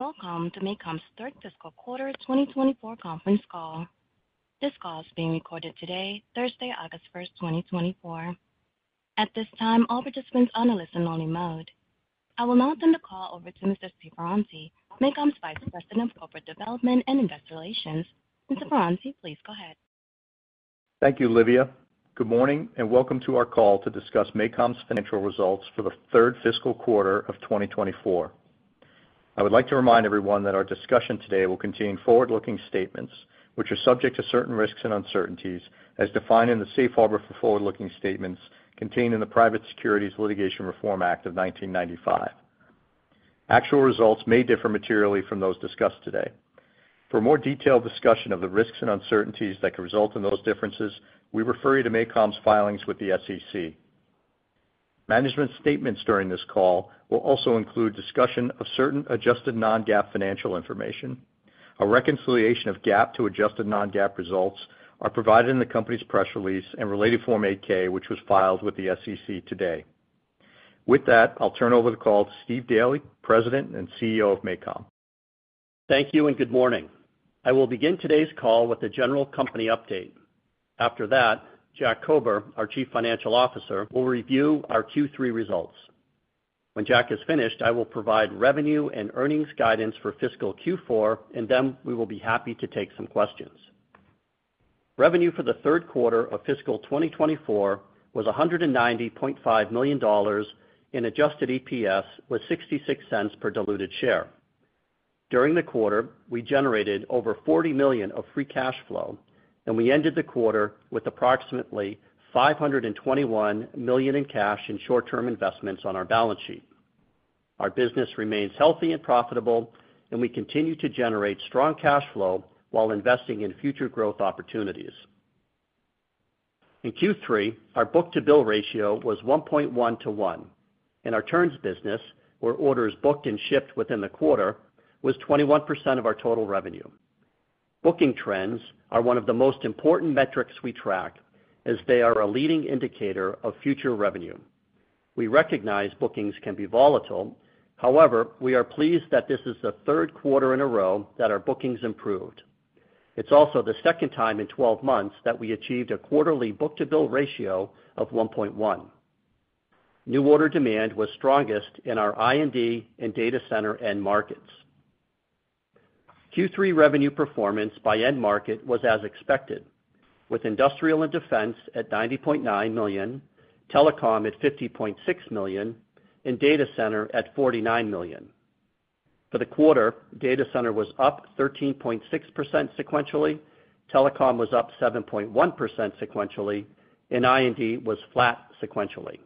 Welcome to MACOM's Third Fiscal Quarter 2024 Conference Call. This call is being recorded today, Thursday, August 1st, 2024. At this time, all participants are on a listen-only mode. I will now turn the call over to Mr. Stephen Ferranti, MACOM's Vice President of Corporate Development and Investor Relations. Mr. Ferranti, please go ahead. Thank you, Olivia. Good morning and welcome to our call to discuss MACOM's Financial Results for the Third Fiscal Quarter of 2024. I would like to remind everyone that our discussion today will contain forward-looking statements, which are subject to certain risks and uncertainties, as defined in the Safe Harbor for Forward-Looking Statements contained in the Private Securities Litigation Reform Act of 1995. Actual results may differ materially from those discussed today. For more detailed discussion of the risks and uncertainties that could result in those differences, we refer you to MACOM's filings with the SEC. Management statements during this call will also include discussion of certain adjusted non-GAAP financial information. A reconciliation of GAAP to adjusted non-GAAP results is provided in the company's press release and related Form 8-K, which was filed with the SEC today. With that, I'll turn over the call to Steve Daly, President and CEO of MACOM. Thank you and good morning. I will begin today's call with a general company update. After that, Jack Kober, our Chief Financial Officer, will review our Q3 results. When Jack is finished, I will provide revenue and earnings guidance for fiscal Q4, and then we will be happy to take some questions. Revenue for the third quarter of fiscal 2024 was $190.5 million in adjusted EPS, with $0.66 per diluted share. During the quarter, we generated over $40 million of free cash flow, and we ended the quarter with approximately $521 million in cash and short-term investments on our balance sheet. Our business remains healthy and profitable, and we continue to generate strong cash flow while investing in future growth opportunities. In Q3, our book-to-bill ratio was 1.1:1, and our turns business, where orders booked and shipped within the quarter, was 21% of our total revenue. Booking trends are one of the most important metrics we track, as they are a leading indicator of future revenue. We recognize bookings can be volatile. However, we are pleased that this is the third quarter in a row that our bookings improved. It's also the second time in 12 months that we achieved a quarterly book-to-bill ratio of 1.1. New order demand was strongest in our I&D and data center end markets. Q3 revenue performance by end market was as expected, with industrial and defense at $90.9 million, telecom at $50.6 million, and data center at $49 million. For the quarter, data center was up 13.6% sequentially, telecom was up 7.1% sequentially, and I&D was flat sequentially.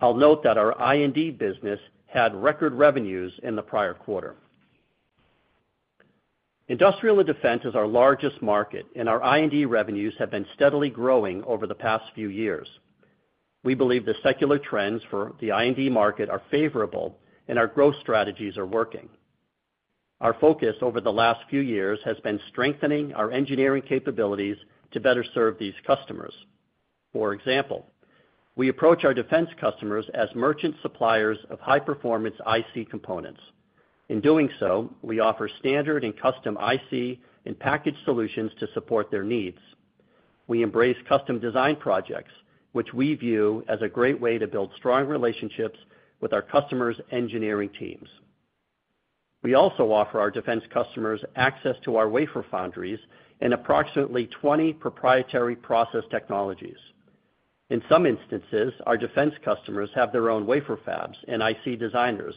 I'll note that our I&D business had record revenues in the prior quarter. Industrial and Defense is our largest market, and our I&D revenues have been steadily growing over the past few years. We believe the secular trends for the I&D market are favorable, and our growth strategies are working. Our focus over the last few years has been strengthening our engineering capabilities to better serve these customers. For example, we approach our defense customers as merchant suppliers of high-performance IC components. In doing so, we offer standard and custom IC and package solutions to support their needs. We embrace custom design projects, which we view as a great way to build strong relationships with our customers' engineering teams. We also offer our defense customers access to our wafer foundries and approximately 20 proprietary process technologies. In some instances, our defense customers have their own wafer fabs and IC designers,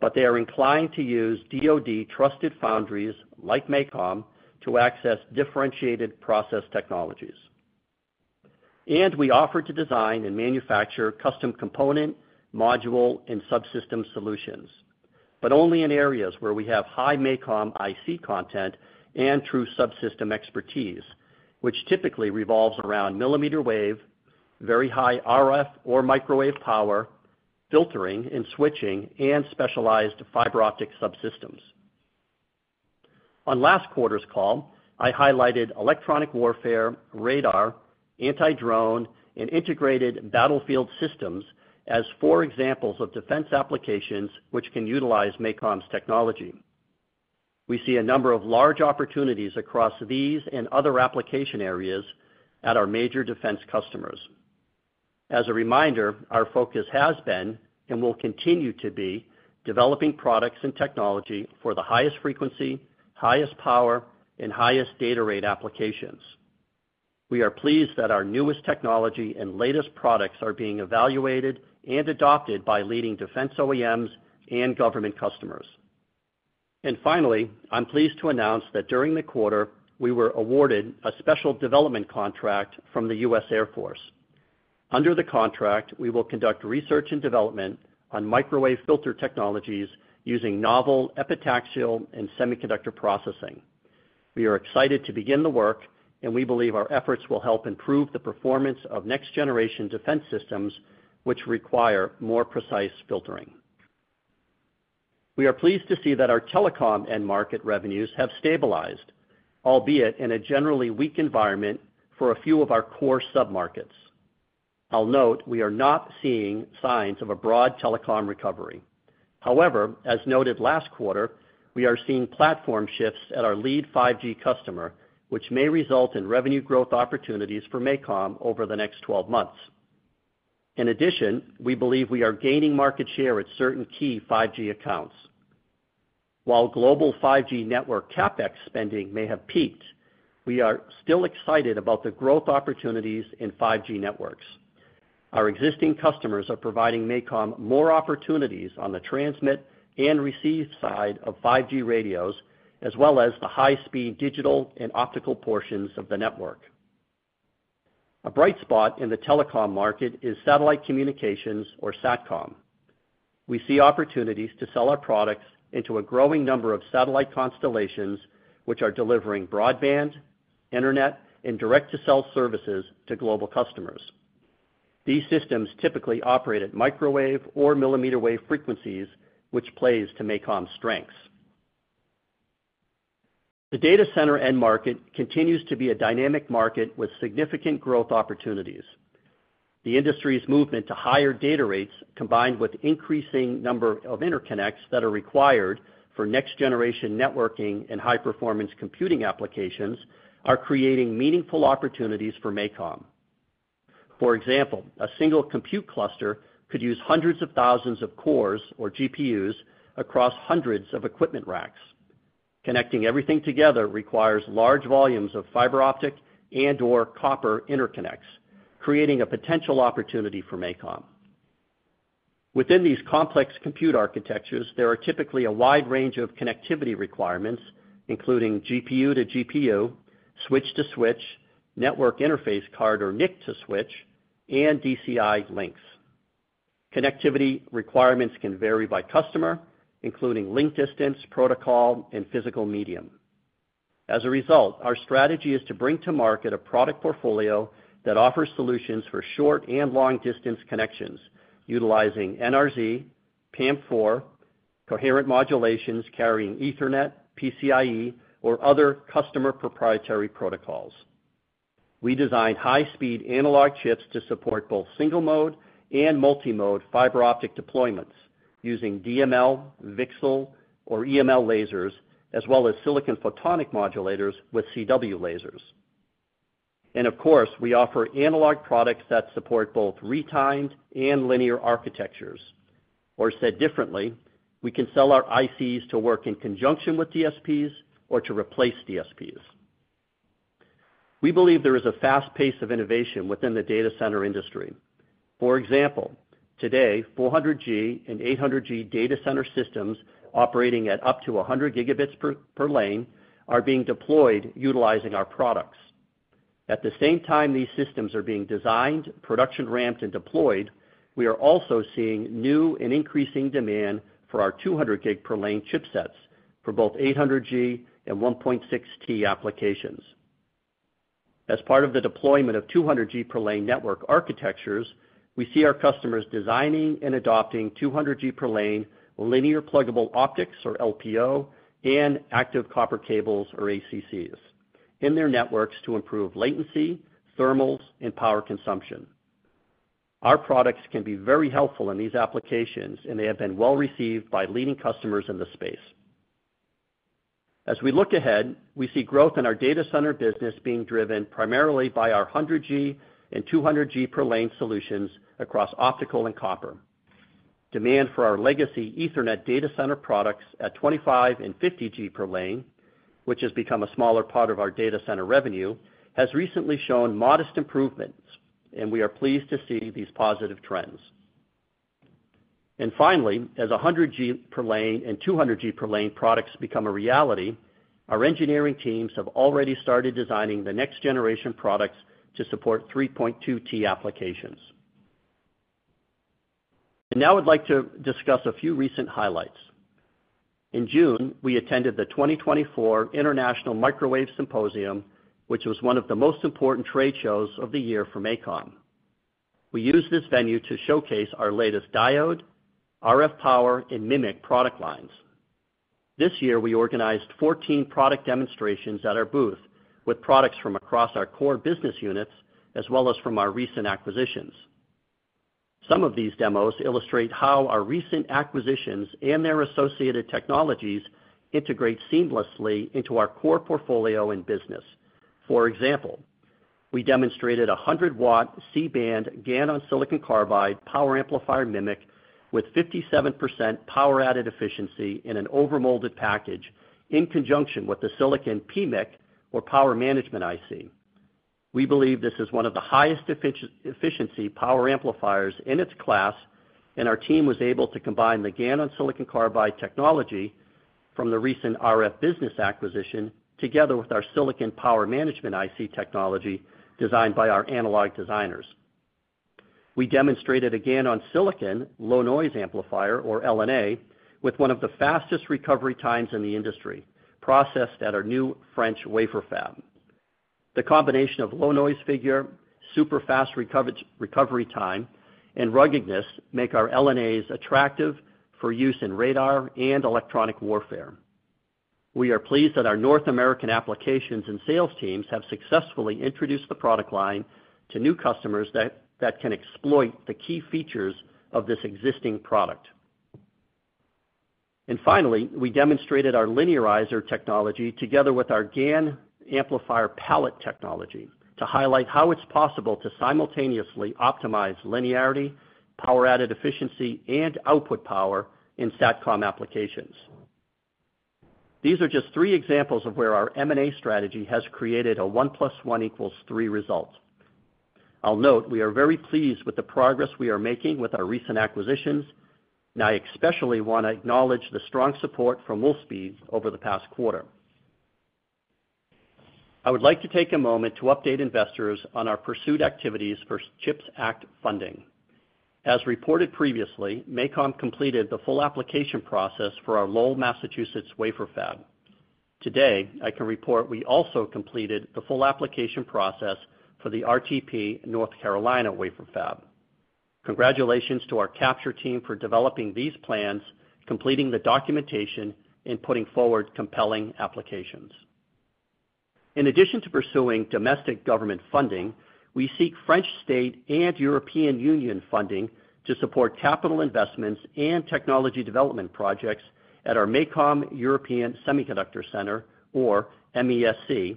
but they are inclined to use DoD trusted foundries like MACOM to access differentiated process technologies. And we offer to design and manufacture custom component, module, and subsystem solutions, but only in areas where we have high MACOM IC content and true subsystem expertise, which typically revolves around millimeter wave, very high RF or microwave power, filtering and switching, and specialized fiber optic subsystems. On last quarter's call, I highlighted electronic warfare, radar, anti-drone, and integrated battlefield systems as four examples of defense applications which can utilize MACOM's technology. We see a number of large opportunities across these and other application areas at our major defense customers. As a reminder, our focus has been and will continue to be developing products and technology for the highest frequency, highest power, and highest data rate applications. We are pleased that our newest technology and latest products are being evaluated and adopted by leading defense OEMs and government customers. And finally, I'm pleased to announce that during the quarter, we were awarded a special development contract from the U.S. Air Force. Under the contract, we will conduct research and development on microwave filter technologies using novel epitaxial and semiconductor processing. We are excited to begin the work, and we believe our efforts will help improve the performance of next-generation defense systems, which require more precise filtering. We are pleased to see that our telecom end market revenues have stabilized, albeit in a generally weak environment for a few of our core submarkets. I'll note we are not seeing signs of a broad telecom recovery. However, as noted last quarter, we are seeing platform shifts at our lead 5G customer, which may result in revenue growth opportunities for MACOM over the next 12 months. In addition, we believe we are gaining market share at certain key 5G accounts. While global 5G network CapEx spending may have peaked, we are still excited about the growth opportunities in 5G networks. Our existing customers are providing MACOM more opportunities on the transmit and receive side of 5G radios, as well as the high-speed digital and optical portions of the network. A bright spot in the telecom market is satellite communications, or SATCOM. We see opportunities to sell our products into a growing number of satellite constellations, which are delivering broadband, internet, and direct-to-cell services to global customers. These systems typically operate at microwave or millimeter wave frequencies, which plays to MACOM's strengths. The data center end market continues to be a dynamic market with significant growth opportunities. The industry's movement to higher data rates, combined with the increasing number of interconnects that are required for next-generation networking and high-performance computing applications, are creating meaningful opportunities for MACOM. For example, a single compute cluster could use hundreds of thousands of cores or GPUs across hundreds of equipment racks. Connecting everything together requires large volumes of fiber optic and/or copper interconnects, creating a potential opportunity for MACOM. Within these complex compute architectures, there are typically a wide range of connectivity requirements, including GPU to GPU, switch to switch, network interface card or NIC to switch, and DCI links. Connectivity requirements can vary by customer, including link distance, protocol, and physical medium. As a result, our strategy is to bring to market a product portfolio that offers solutions for short and long-distance connections, utilizing NRZ, PAM4, coherent modulations carrying Ethernet, PCIe, or other customer proprietary protocols. We design high-speed analog chips to support both single-mode and multi-mode fiber optic deployments using DML, VCSEL, or EML lasers, as well as silicon photonic modulators with CW lasers. Of course, we offer analog products that support both retimed and linear architectures. Or said differently, we can sell our ICs to work in conjunction with DSPs or to replace DSPs. We believe there is a fast pace of innovation within the data center industry. For example, today, 400G and 800G data center systems operating at up to 100G per lane are being deployed utilizing our products. At the same time these systems are being designed, production-ramped, and deployed, we are also seeing new and increasing demand for our 200G per lane chipsets for both 800G and 1.6T applications. As part of the deployment of 200G per lane network architectures, we see our customers designing and adopting 200G per lane linear pluggable optics, or LPO, and active copper cables, or ACCs, in their networks to improve latency, thermals, and power consumption. Our products can be very helpful in these applications, and they have been well received by leading customers in the space. As we look ahead, we see growth in our data center business being driven primarily by our 100G and 200G per lane solutions across optical and copper. Demand for our legacy Ethernet data center products at 25G and 50G per lane, which has become a smaller part of our data center revenue, has recently shown modest improvements, and we are pleased to see these positive trends. And finally, as 100G per lane and 200G per lane products become a reality, our engineering teams have already started designing the next-generation products to support 3.2T applications. And now I'd like to discuss a few recent highlights. In June, we attended the 2024 International Microwave Symposium, which was one of the most important trade shows of the year for MACOM. We used this venue to showcase our latest diode, RF power, and MMIC product lines. This year, we organized 14 product demonstrations at our booth with products from across our core business units, as well as from our recent acquisitions. Some of these demos illustrate how our recent acquisitions and their associated technologies integrate seamlessly into our core portfolio and business. For example, we demonstrated a 100 W C-band GaN on silicon carbide power amplifier MMIC with 57% power-added efficiency in an overmolded package in conjunction with the silicon PMIC, or power management IC. We believe this is one of the highest efficiency power amplifiers in its class, and our team was able to combine the GaN on silicon carbide technology from the recent RF business acquisition together with our silicon power management IC technology designed by our analog designers. We demonstrated a GaN on silicon low-noise amplifier, or LNA, with one of the fastest recovery times in the industry, processed at our new French wafer fab. The combination of low-noise figure, super fast recovery time, and ruggedness make our LNAs attractive for use in radar and electronic warfare. We are pleased that our North American applications and sales teams have successfully introduced the product line to new customers that can exploit the key features of this existing product. And finally, we demonstrated our linearizer technology together with our GaN amplifier pallet technology to highlight how it's possible to simultaneously optimize linearity, power-added efficiency, and output power in SATCOM applications. These are just three examples of where our M&A strategy has created a one plus one equals three result. I'll note we are very pleased with the progress we are making with our recent acquisitions, and I especially want to acknowledge the strong support from Wolfspeed over the past quarter. I would like to take a moment to update investors on our pursued activities for CHIPS Act funding. As reported previously, MACOM completed the full application process for our Lowell, Massachusetts wafer fab. Today, I can report we also completed the full application process for the RTP North Carolina wafer fab. Congratulations to our capture team for developing these plans, completing the documentation, and putting forward compelling applications. In addition to pursuing domestic government funding, we seek French state and European Union funding to support capital investments and technology development projects at our MACOM European Semiconductor Center, or MESC,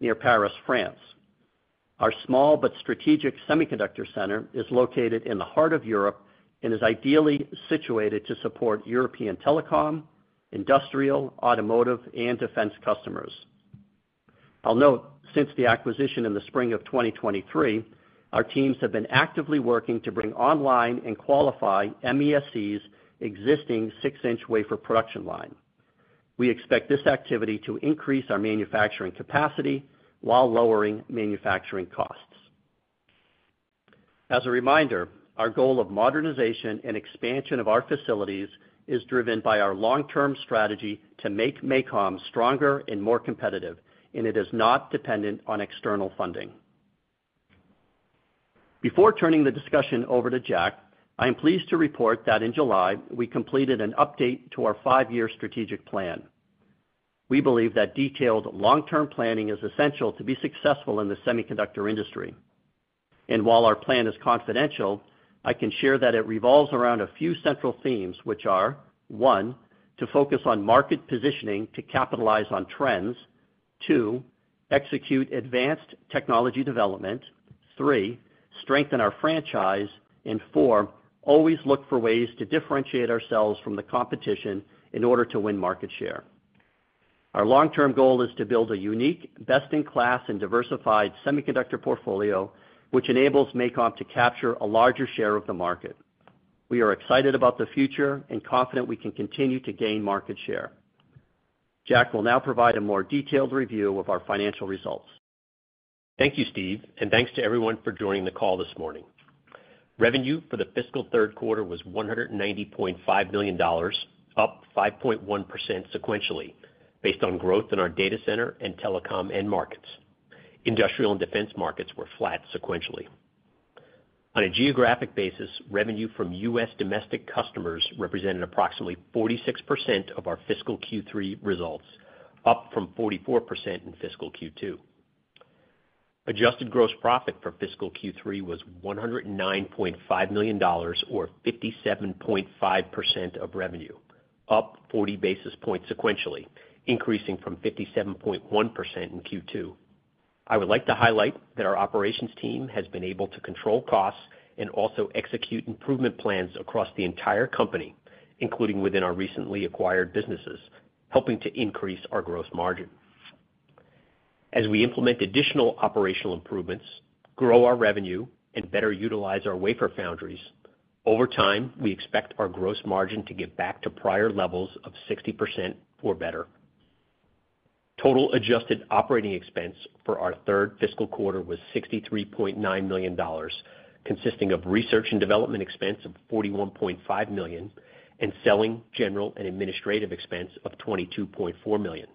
near Paris, France. Our small but strategic semiconductor center is located in the heart of Europe and is ideally situated to support European telecom, industrial, automotive, and defense customers. I'll note since the acquisition in the spring of 2023, our teams have been actively working to bring online and qualify MESC's existing 6-inch wafer production line. We expect this activity to increase our manufacturing capacity while lowering manufacturing costs. As a reminder, our goal of modernization and expansion of our facilities is driven by our long-term strategy to make MACOM stronger and more competitive, and it is not dependent on external funding. Before turning the discussion over to Jack, I am pleased to report that in July, we completed an update to our five-year strategic plan. We believe that detailed long-term planning is essential to be successful in the semiconductor industry. While our plan is confidential, I can share that it revolves around a few central themes, which are: one, to focus on market positioning to capitalize on trends, two, execute advanced technology development, three, strengthen our franchise, and four, always look for ways to differentiate ourselves from the competition in order to win market share. Our long-term goal is to build a unique, best-in-class, and diversified semiconductor portfolio, which enables MACOM to capture a larger share of the market. We are excited about the future and confident we can continue to gain market share. Jack will now provide a more detailed review of our financial results. Thank you, Steve, and thanks to everyone for joining the call this morning. Revenue for the fiscal third quarter was $190.5 million, up 5.1% sequentially, based on growth in our data center and telecom end markets. Industrial and defense markets were flat sequentially. On a geographic basis, revenue from U.S. domestic customers represented approximately 46% of our fiscal Q3 results, up from 44% in fiscal Q2. Adjusted gross profit for fiscal Q3 was $109.5 million, or 57.5% of revenue, up 40 basis points sequentially, increasing from 57.1% in Q2. I would like to highlight that our operations team has been able to control costs and also execute improvement plans across the entire company, including within our recently acquired businesses, helping to increase our gross margin. As we implement additional operational improvements, grow our revenue, and better utilize our wafer foundries, over time, we expect our gross margin to get back to prior levels of 60% or better. Total adjusted operating expense for our third fiscal quarter was $63.9 million, consisting of research and development expense of $41.5 million and selling, general and administrative expense of $22.4 million.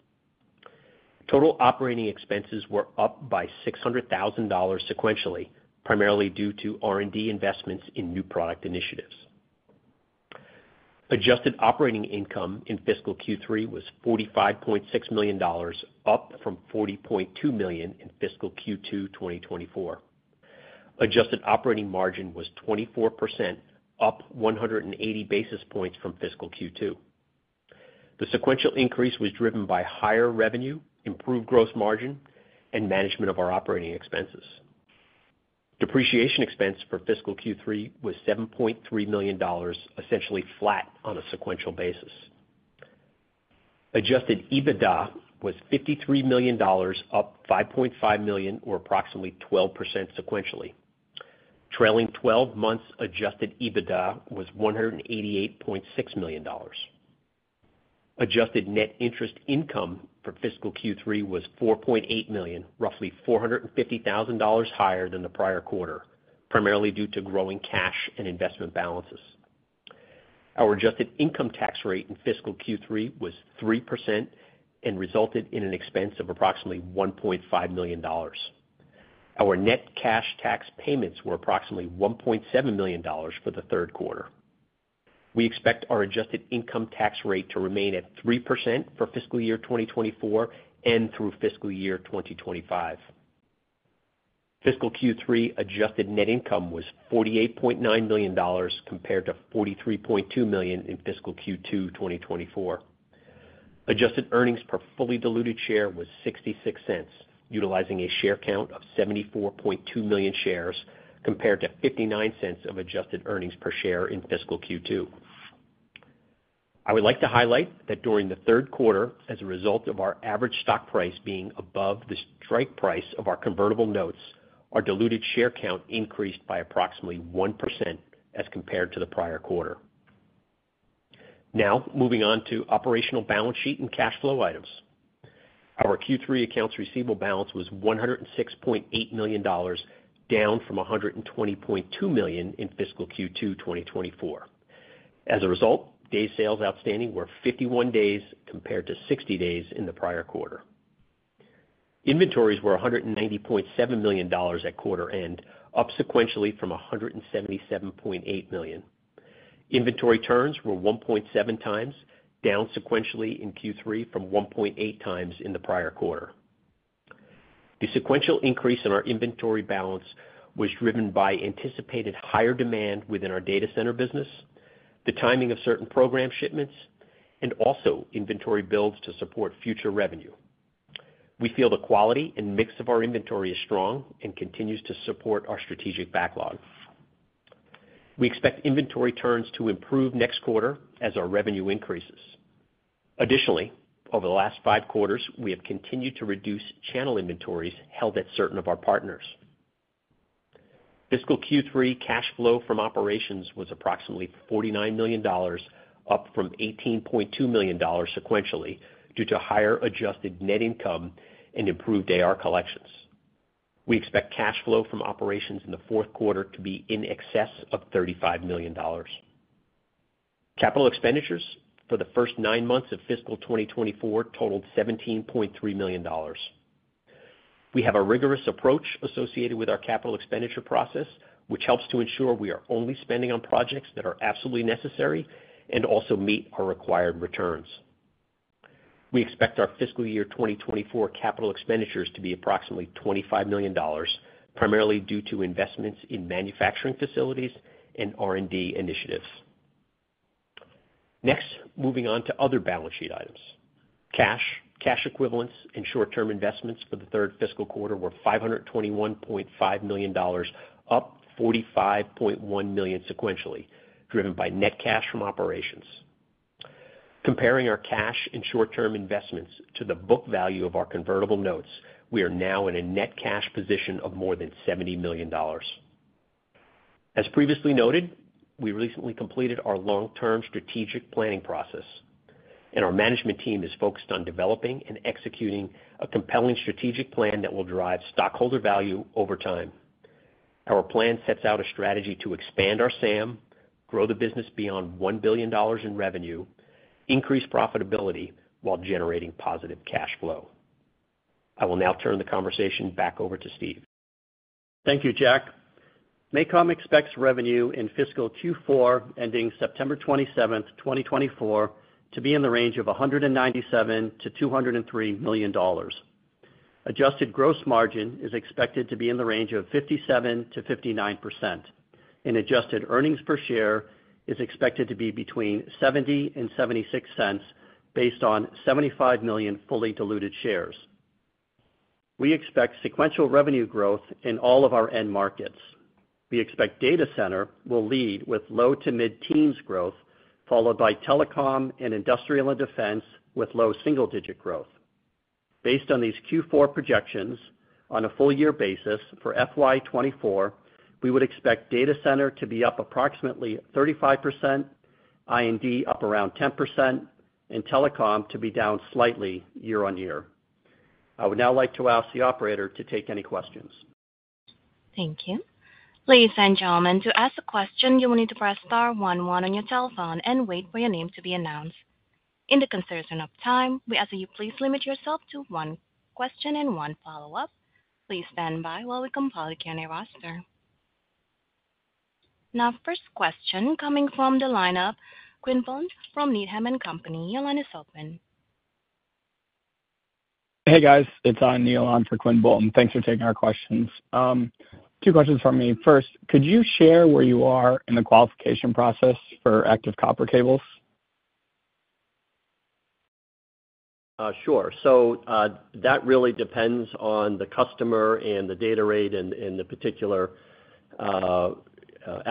Total operating expenses were up by $600,000 sequentially, primarily due to R&D investments in new product initiatives. Adjusted operating income in fiscal Q3 was $45.6 million, up from $40.2 million in fiscal Q2 2024. Adjusted operating margin was 24%, up 180 basis points from fiscal Q2. The sequential increase was driven by higher revenue, improved gross margin, and management of our operating expenses. Depreciation expense for fiscal Q3 was $7.3 million, essentially flat on a sequential basis. Adjusted EBITDA was $53 million, up $5.5 million, or approximately 12% sequentially. Trailing 12 months' adjusted EBITDA was $188.6 million. Adjusted net interest income for fiscal Q3 was $4.8 million, roughly $450,000 higher than the prior quarter, primarily due to growing cash and investment balances. Our adjusted income tax rate in fiscal Q3 was 3% and resulted in an expense of approximately $1.5 million. Our net cash tax payments were approximately $1.7 million for the third quarter. We expect our adjusted income tax rate to remain at 3% for fiscal year 2024 and through fiscal year 2025. Fiscal Q3 adjusted net income was $48.9 million compared to $43.2 million in fiscal Q2 2024. Adjusted earnings per fully diluted share was $0.66, utilizing a share count of 74.2 million shares compared to $0.59 of adjusted earnings per share in fiscal Q2. I would like to highlight that during the third quarter, as a result of our average stock price being above the strike price of our convertible notes, our diluted share count increased by approximately 1% as compared to the prior quarter. Now, moving on to operational balance sheet and cash flow items. Our Q3 accounts receivable balance was $106.8 million, down from $120.2 million in fiscal Q2 2024. As a result, days sales outstanding were 51 days compared to 60 days in the prior quarter. Inventories were $190.7 million at quarter end, up sequentially from $177.8 million. Inventory turns were 1.7x, down sequentially in Q3 from 1.8x in the prior quarter. The sequential increase in our inventory balance was driven by anticipated higher demand within our data center business, the timing of certain program shipments, and also inventory builds to support future revenue. We feel the quality and mix of our inventory is strong and continues to support our strategic backlog. We expect inventory turns to improve next quarter as our revenue increases. Additionally, over the last five quarters, we have continued to reduce channel inventories held at certain of our partners. Fiscal Q3 cash flow from operations was approximately $49 million, up from $18.2 million sequentially due to higher adjusted net income and improved AR collections. We expect cash flow from operations in the fourth quarter to be in excess of $35 million. Capital expenditures for the first nine months of fiscal 2024 totaled $17.3 million. We have a rigorous approach associated with our capital expenditure process, which helps to ensure we are only spending on projects that are absolutely necessary and also meet our required returns. We expect our fiscal year 2024 capital expenditures to be approximately $25 million, primarily due to investments in manufacturing facilities and R&D initiatives. Next, moving on to other balance sheet items. Cash, cash equivalents, and short-term investments for the third fiscal quarter were $521.5 million, up $45.1 million sequentially, driven by net cash from operations. Comparing our cash and short-term investments to the book value of our convertible notes, we are now in a net cash position of more than $70 million. As previously noted, we recently completed our long-term strategic planning process, and our management team is focused on developing and executing a compelling strategic plan that will drive stockholder value over time. Our plan sets out a strategy to expand our SAM, grow the business beyond $1 billion in revenue, increase profitability while generating positive cash flow. I will now turn the conversation back over to Steve. Thank you, Jack. MACOM expects revenue in fiscal Q4 ending September 27, 2024, to be in the range of $197 million-$203 million. Adjusted gross margin is expected to be in the range of 57%-59%, and adjusted earnings per share is expected to be between $0.70 and $0.76 based on 75 million fully diluted shares. We expect sequential revenue growth in all of our end markets. We expect data center will lead with low to mid-teens growth, followed by telecom and industrial and defense with low single-digit growth. Based on these Q4 projections, on a full-year basis for FY 2024, we would expect data center to be up approximately 35%, I&D up around 10%, and telecom to be down slightly year-over-year. I would now like to ask the operator to take any questions. Thank you. Ladies and gentlemen, to ask a question, you will need to press star one one on your telephone and wait for your name to be announced. In the interest of time, we ask that you please limit yourself to one question and one follow-up. Please stand by while we compile the Q&A roster. Now, first question coming from the lineup, Quinn Bolton from Needham & Company, your line is open. Hey, guys. It's me, Nick Doyle, on for Quinn Bolton. Thanks for taking our questions. Two questions from me. First, could you share where you are in the qualification process for active copper cables? Sure. So that really depends on the customer and the data rate and the particular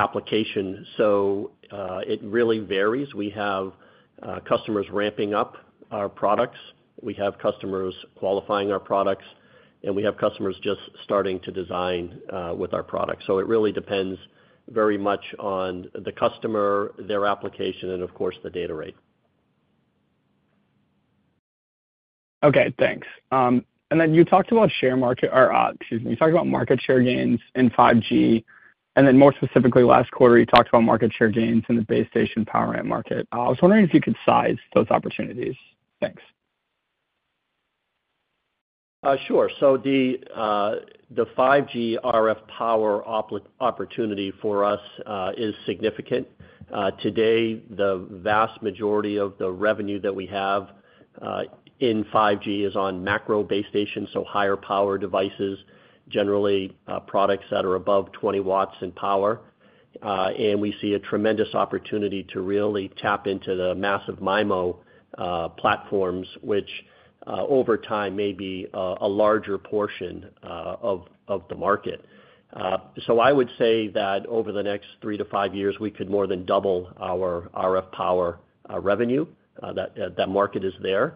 application. So it really varies. We have customers ramping up our products. We have customers qualifying our products, and we have customers just starting to design with our products. So it really depends very much on the customer, their application, and of course, the data rate. Okay. Thanks. And then you talked about share market or excuse me, you talked about market share gains in 5G. And then more specifically, last quarter, you talked about market share gains in the base station power amp market. I was wondering if you could size those opportunities. Thanks. Sure. So the 5G RF power opportunity for us is significant. Today, the vast majority of the revenue that we have in 5G is on macro base stations, so higher power devices, generally products that are above 20 W in power. We see a tremendous opportunity to really tap into the massive MIMO platforms, which over time may be a larger portion of the market. So I would say that over the next 3-5 years, we could more than double our RF power revenue. That market is there.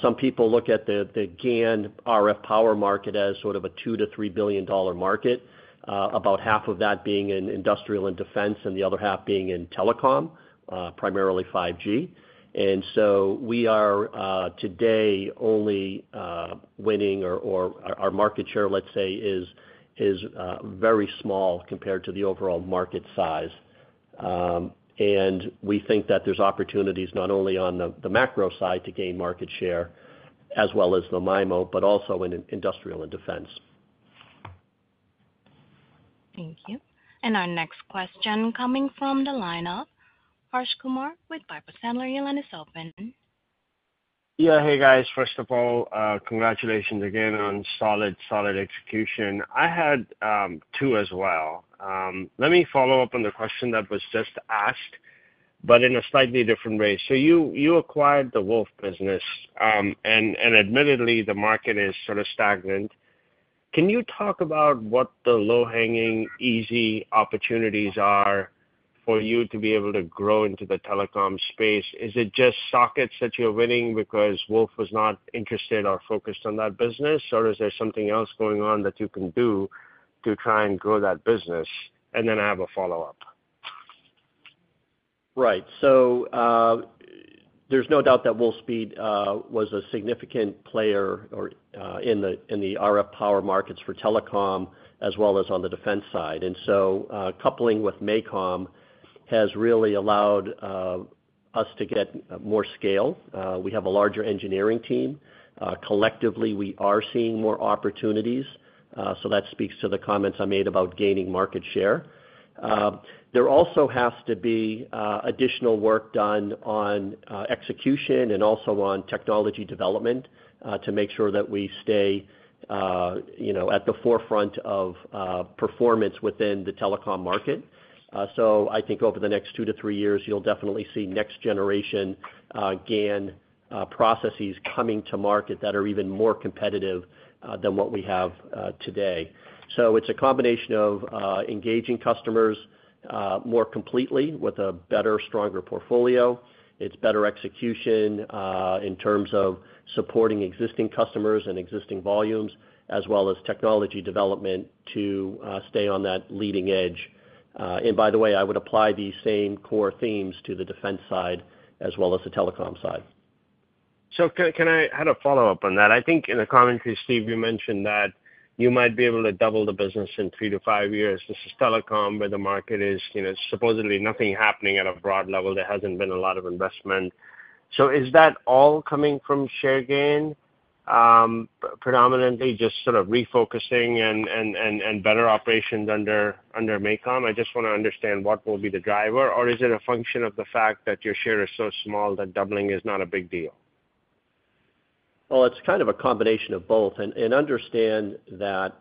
Some people look at the GaN RF power market as sort of a $2 billion-$3 billion market, about half of that being in industrial and defense and the other half being in telecom, primarily 5G. And so we are today only winning or our market share, let's say, is very small compared to the overall market size. And we think that there's opportunities not only on the macro side to gain market share as well as the MIMO, but also in industrial and defense. Thank you. And our next question coming from the lineup, Harsh Kumar with Piper Sandler, your line is open. Yeah. Hey, guys. First of all, congratulations again on solid, solid execution. I had two as well. Let me follow up on the question that was just asked, but in a slightly different way. So you acquired the Wolfspeed business, and admittedly, the market is sort of stagnant. Can you talk about what the low-hanging, easy opportunities are for you to be able to grow into the telecom space? Is it just sockets that you're winning because Wolfspeed was not interested or focused on that business, or is there something else going on that you can do to try and grow that business? And then I have a follow-up. Right. So there's no doubt that Wolfspeed was a significant player in the RF power markets for telecom as well as on the defense side. Coupling with MACOM has really allowed us to get more scale. We have a larger engineering team. Collectively, we are seeing more opportunities. So that speaks to the comments I made about gaining market share. There also has to be additional work done on execution and also on technology development to make sure that we stay at the forefront of performance within the telecom market. So I think over the next two to three years, you'll definitely see next-generation GaN processes coming to market that are even more competitive than what we have today. So it's a combination of engaging customers more completely with a better, stronger portfolio. It's better execution in terms of supporting existing customers and existing volumes, as well as technology development to stay on that leading edge. And by the way, I would apply these same core themes to the defense side as well as the telecom side. So can I add a follow-up on that? I think in the commentary, Steve, you mentioned that you might be able to double the business in 3-5 years. This is telecom where the market is supposedly nothing happening at a broad level. There hasn't been a lot of investment. So is that all coming from share gain, predominantly just sort of refocusing and better operations under MACOM? I just want to understand what will be the driver, or is it a function of the fact that your share is so small that doubling is not a big deal? Well, it's kind of a combination of both. Understand that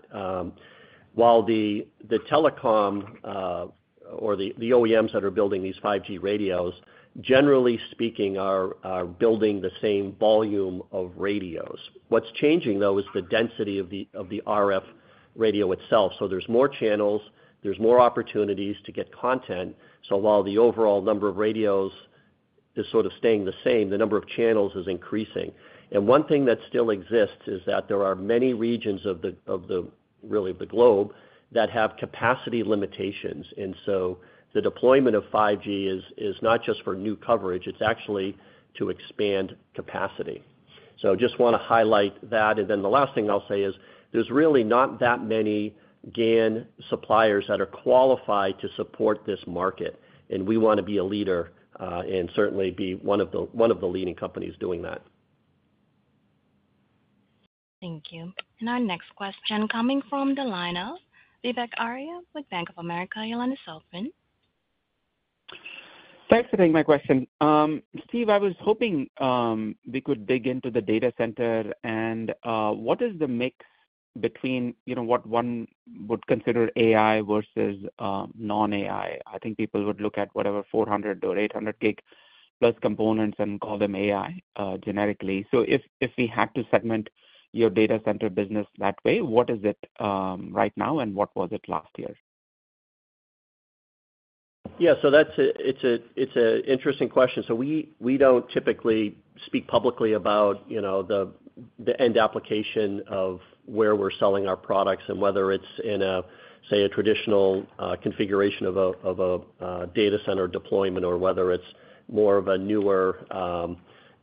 while the telecom or the OEMs that are building these 5G radios, generally speaking, are building the same volume of radios. What's changing, though, is the density of the RF radio itself. So there's more channels. There's more opportunities to get content. So while the overall number of radios is sort of staying the same, the number of channels is increasing. And one thing that still exists is that there are many regions of the reality of the globe that have capacity limitations. And so the deployment of 5G is not just for new coverage. It's actually to expand capacity. So I just want to highlight that. And then the last thing I'll say is there's really not that many GaN suppliers that are qualified to support this market. We want to be a leader and certainly be one of the leading companies doing that. Thank you. Our next question coming from the lineup, Vivek Arya with Bank of America. Your line is open. Thanks for taking my question. Steve, I was hoping we could dig into the data center and what is the mix between what one would consider AI versus non-AI? I think people would look at whatever 400G or 800G+ components and call them AI generically. So if we had to segment your data center business that way, what is it right now and what was it last year? Yeah. So it's an interesting question. So we don't typically speak publicly about the end application of where we're selling our products and whether it's in a, say, a traditional configuration of a data center deployment or whether it's more of a newer,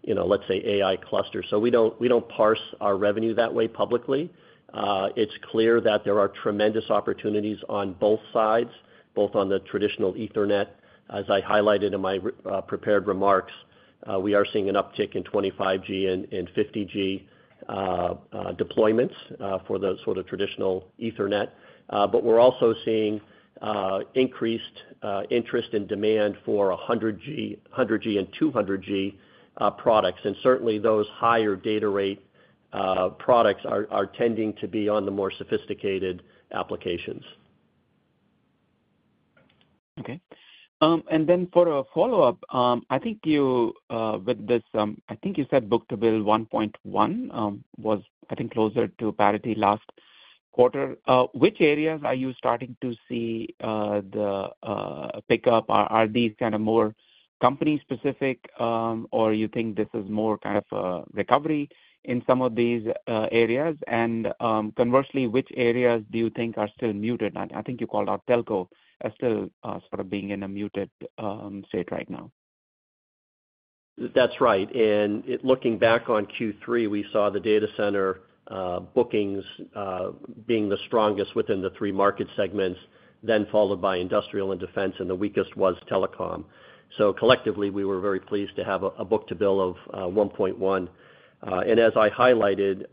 let's say, AI cluster. So we don't parse our revenue that way publicly. It's clear that there are tremendous opportunities on both sides, both on the traditional ethernet. As I highlighted in my prepared remarks, we are seeing an uptick in 25G and 50G deployments for the sort of traditional ethernet. But we're also seeing increased interest and demand for 100G and 200G products. And certainly, those higher data rate products are tending to be on the more sophisticated applications. Okay. And then for a follow-up, I think you with this, I think you said book-to-bill 1.1 was, I think, closer to parity last quarter. Which areas are you starting to see the pickup? Are these kind of more company-specific, or you think this is more kind of a recovery in some of these areas? And conversely, which areas do you think are still muted? I think you called out telco as still sort of being in a muted state right now. That's right. And looking back on Q3, we saw the data center bookings being the strongest within the three market segments, then followed by industrial and defense, and the weakest was telecom. So collectively, we were very pleased to have a book-to-bill of 1.1. And as I highlighted,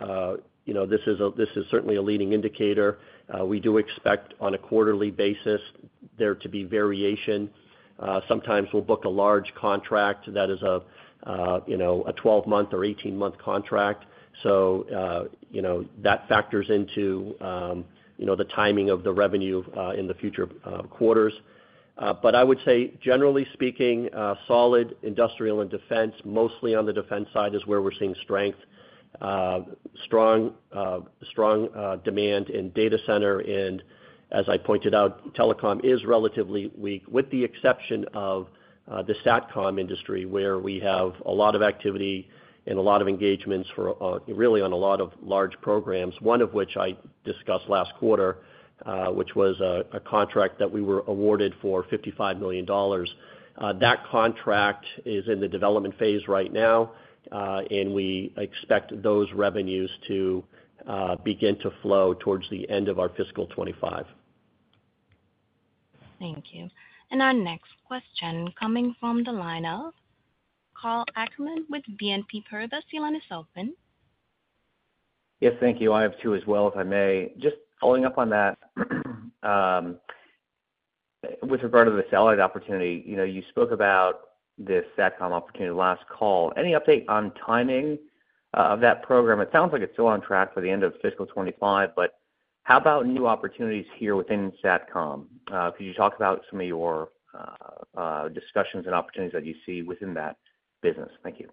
this is certainly a leading indicator. We do expect on a quarterly basis there to be variation. Sometimes we'll book a large contract that is a 12-month or 18-month contract. So that factors into the timing of the revenue in the future quarters. But I would say, generally speaking, solid industrial and defense, mostly on the defense side is where we're seeing strength, strong demand in data center. And as I pointed out, telecom is relatively weak, with the exception of the SATCOM industry where we have a lot of activity and a lot of engagements really on a lot of large programs, one of which I discussed last quarter, which was a contract that we were awarded for $55 million. That contract is in the development phase right now, and we expect those revenues to begin to flow towards the end of our fiscal 2025. Thank you. And our next question coming from the lineup, Karl Ackerman with BNP Paribas, your line is open. Yes, thank you. I have two as well, if I may. Just following up on that, with regard to the satellite opportunity, you spoke about this SATCOM opportunity last call. Any update on timing of that program? It sounds like it's still on track for the end of fiscal 2025, but how about new opportunities here within SATCOM? Could you talk about some of your discussions and opportunities that you see within that business? Thank you.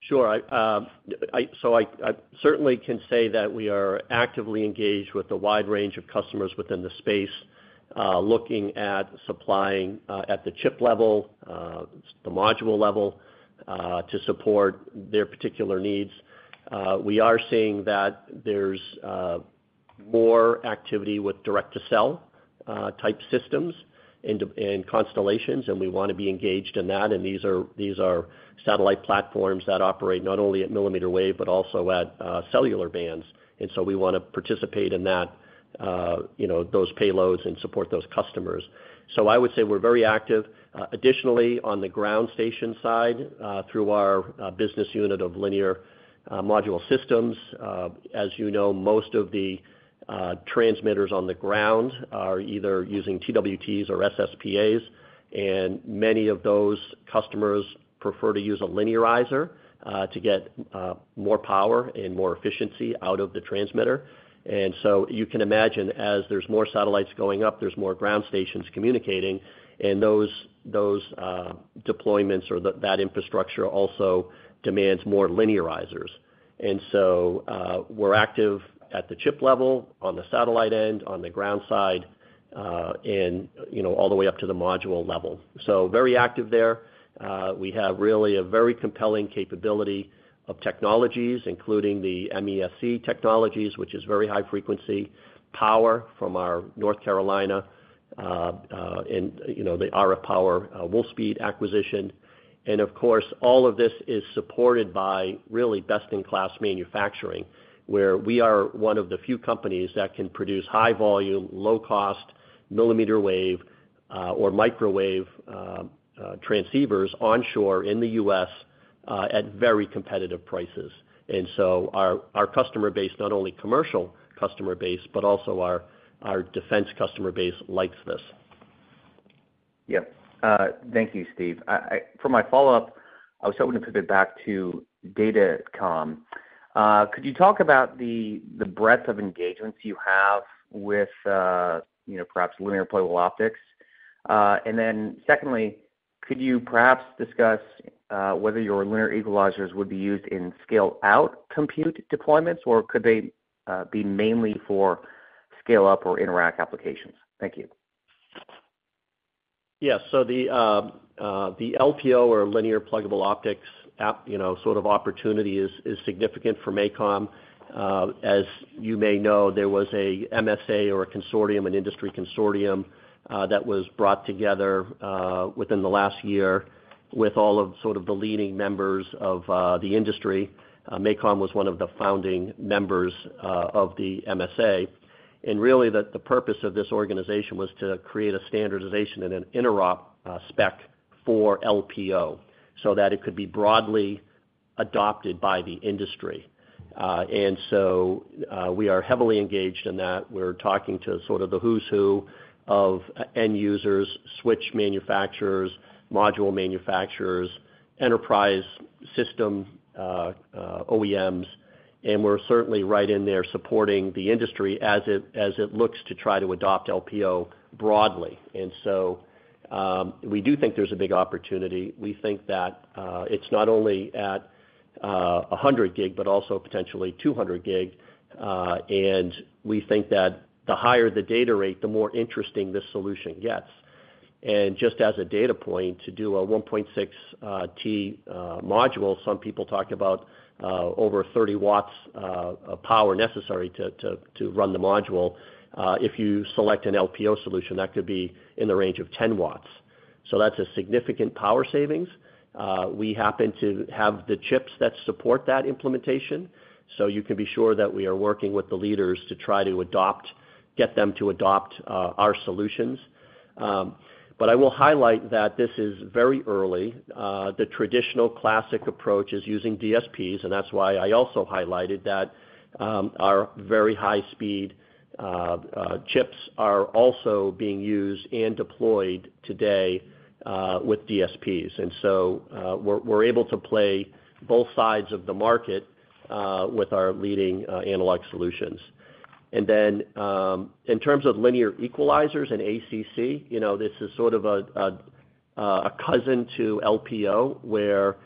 Sure. So I certainly can say that we are actively engaged with a wide range of customers within the space, looking at supplying at the chip level, the module level to support their particular needs. We are seeing that there's more activity with direct-to-cell type systems and constellations, and we want to be engaged in that. And these are satellite platforms that operate not only at millimeter wave, but also at cellular bands. And so we want to participate in those payloads and support those customers. So I would say we're very active. Additionally, on the ground station side, through our business unit of linear module systems, as you know, most of the transmitters on the ground are either using TWTs or SSPAs, and many of those customers prefer to use a linearizer to get more power and more efficiency out of the transmitter. And so you can imagine, as there's more satellites going up, there's more ground stations communicating, and those deployments or that infrastructure also demands more linearizers. And so we're active at the chip level, on the satellite end, on the ground side, and all the way up to the module level. So very active there. We have really a very compelling capability of technologies, including the MESC technologies, which is very high-frequency power from our North Carolina and the RF power Wolfspeed acquisition. And of course, all of this is supported by really best-in-class manufacturing, where we are one of the few companies that can produce high-volume, low-cost millimeter wave or microwave transceivers onshore in the U.S. at very competitive prices. And so our customer base, not only commercial customer base, but also our defense customer base likes this. Yep. Thank you, Steve. For my follow-up, I was hoping to pivot back to datacom. Could you talk about the breadth of engagements you have with perhaps linear pluggable optics? And then secondly, could you perhaps discuss whether your linear equalizers would be used in scale-out compute deployments, or could they be mainly for scale-up or interconnect applications? Thank you. Yeah. So the LPO or linear pluggable optics sort of opportunity is significant for MACOM. As you may know, there was a MSA or a consortium, an industry consortium that was brought together within the last year with all of sort of the leading members of the industry. MACOM was one of the founding members of the MSA. And really, the purpose of this organization was to create a standardization and an interop spec for LPO so that it could be broadly adopted by the industry. And so we are heavily engaged in that. We're talking to sort of the who's who of end users, switch manufacturers, module manufacturers, enterprise system OEMs. And we're certainly right in there supporting the industry as it looks to try to adopt LPO broadly. And so we do think there's a big opportunity. We think that it's not only at 100G, but also potentially 200G. And we think that the higher the data rate, the more interesting this solution gets. And just as a data point, to do a 1.6T module, some people talk about over 30 W of power necessary to run the module. If you select an LPO solution, that could be in the range of 10 W. So that's a significant power savings. We happen to have the chips that support that implementation. So you can be sure that we are working with the leaders to try to adopt, get them to adopt our solutions. But I will highlight that this is very early. The traditional classic approach is using DSPs, and that's why I also highlighted that our very high-speed chips are also being used and deployed today with DSPs. So we're able to play both sides of the market with our leading analog solutions. And then in terms of linear equalizers and ACC, this is sort of a cousin to LPO where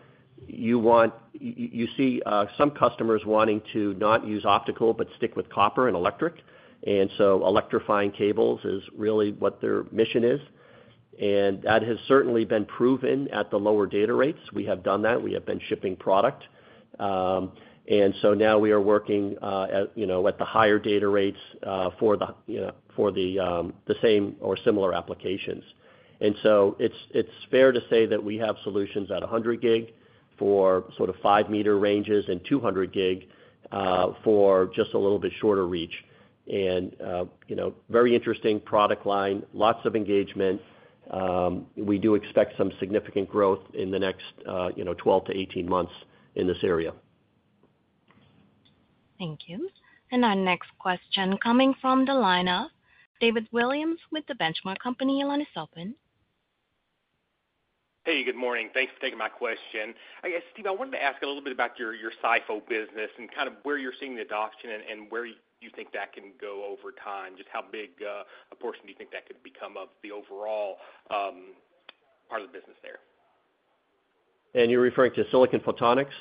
you see some customers wanting to not use optical, but stick with copper and electric. And so electrifying cables is really what their mission is. And that has certainly been proven at the lower data rates. We have done that. We have been shipping product. And so now we are working at the higher data rates for the same or similar applications. And so it's fair to say that we have solutions at 100G for sort of 5 m ranges and 200G for just a little bit shorter reach. And very interesting product line, lots of engagement. We do expect some significant growth in the next 12 to 18 months in this area. Thank you. Our next question coming from the lineup, David Williams with The Benchmark Company. Your line is open. Hey, good morning. Thanks for taking my question. I guess, Steve, I wanted to ask a little bit about your SiPh business and kind of where you're seeing the adoption and where you think that can go over time, just how big a portion do you think that could become of the overall part of the business there? And you're referring to silicon photonics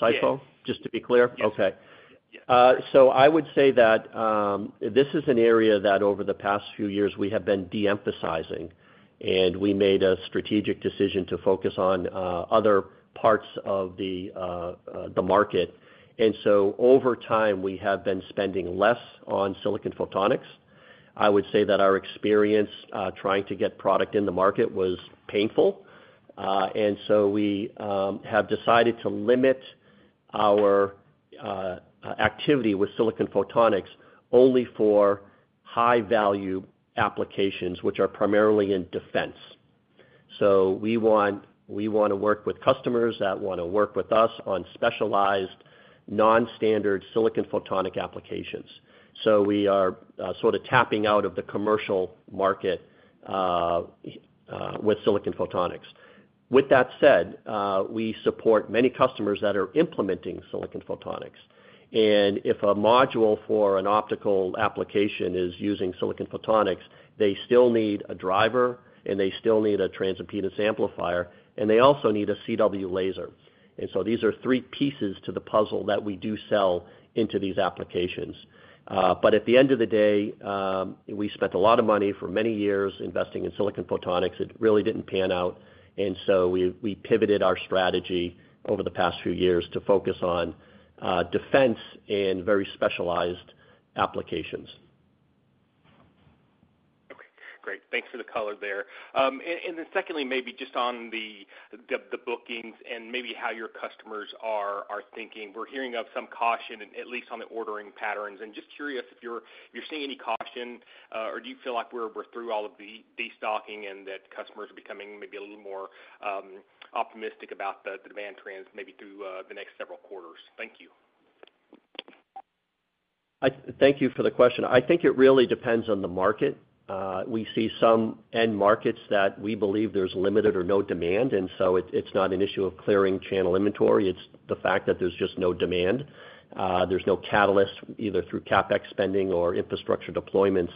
SiPh, just to be clear? Yes. Okay. So I would say that this is an area that over the past few years we have been de-emphasizing, and we made a strategic decision to focus on other parts of the market. And so over time, we have been spending less on silicon photonics. I would say that our experience trying to get product in the market was painful. And so we have decided to limit our activity with silicon photonics only for high-value applications, which are primarily in defense. So we want to work with customers that want to work with us on specialized non-standard silicon photonics applications. So we are sort of tapping out of the commercial market with silicon photonics. With that said, we support many customers that are implementing silicon photonics. And if a module for an optical application is using silicon photonics, they still need a driver, and they still need a transimpedance amplifier, and they also need a CW laser. And so these are three pieces to the puzzle that we do sell into these applications. But at the end of the day, we spent a lot of money for many years investing in silicon photonics. It really didn't pan out. And so we pivoted our strategy over the past few years to focus on defense and very specialized applications. Okay. Great. Thanks for the color there. And then secondly, maybe just on the bookings and maybe how your customers are thinking. We're hearing of some caution, at least on the ordering patterns. And just curious if you're seeing any caution, or do you feel like we're through all of the stocking and that customers are becoming maybe a little more optimistic about the demand trends maybe through the next several quarters? Thank you. Thank you for the question. I think it really depends on the market. We see some end markets that we believe there's limited or no demand. And so it's not an issue of clearing channel inventory. It's the fact that there's just no demand. There's no catalyst either through CapEx spending or infrastructure deployments.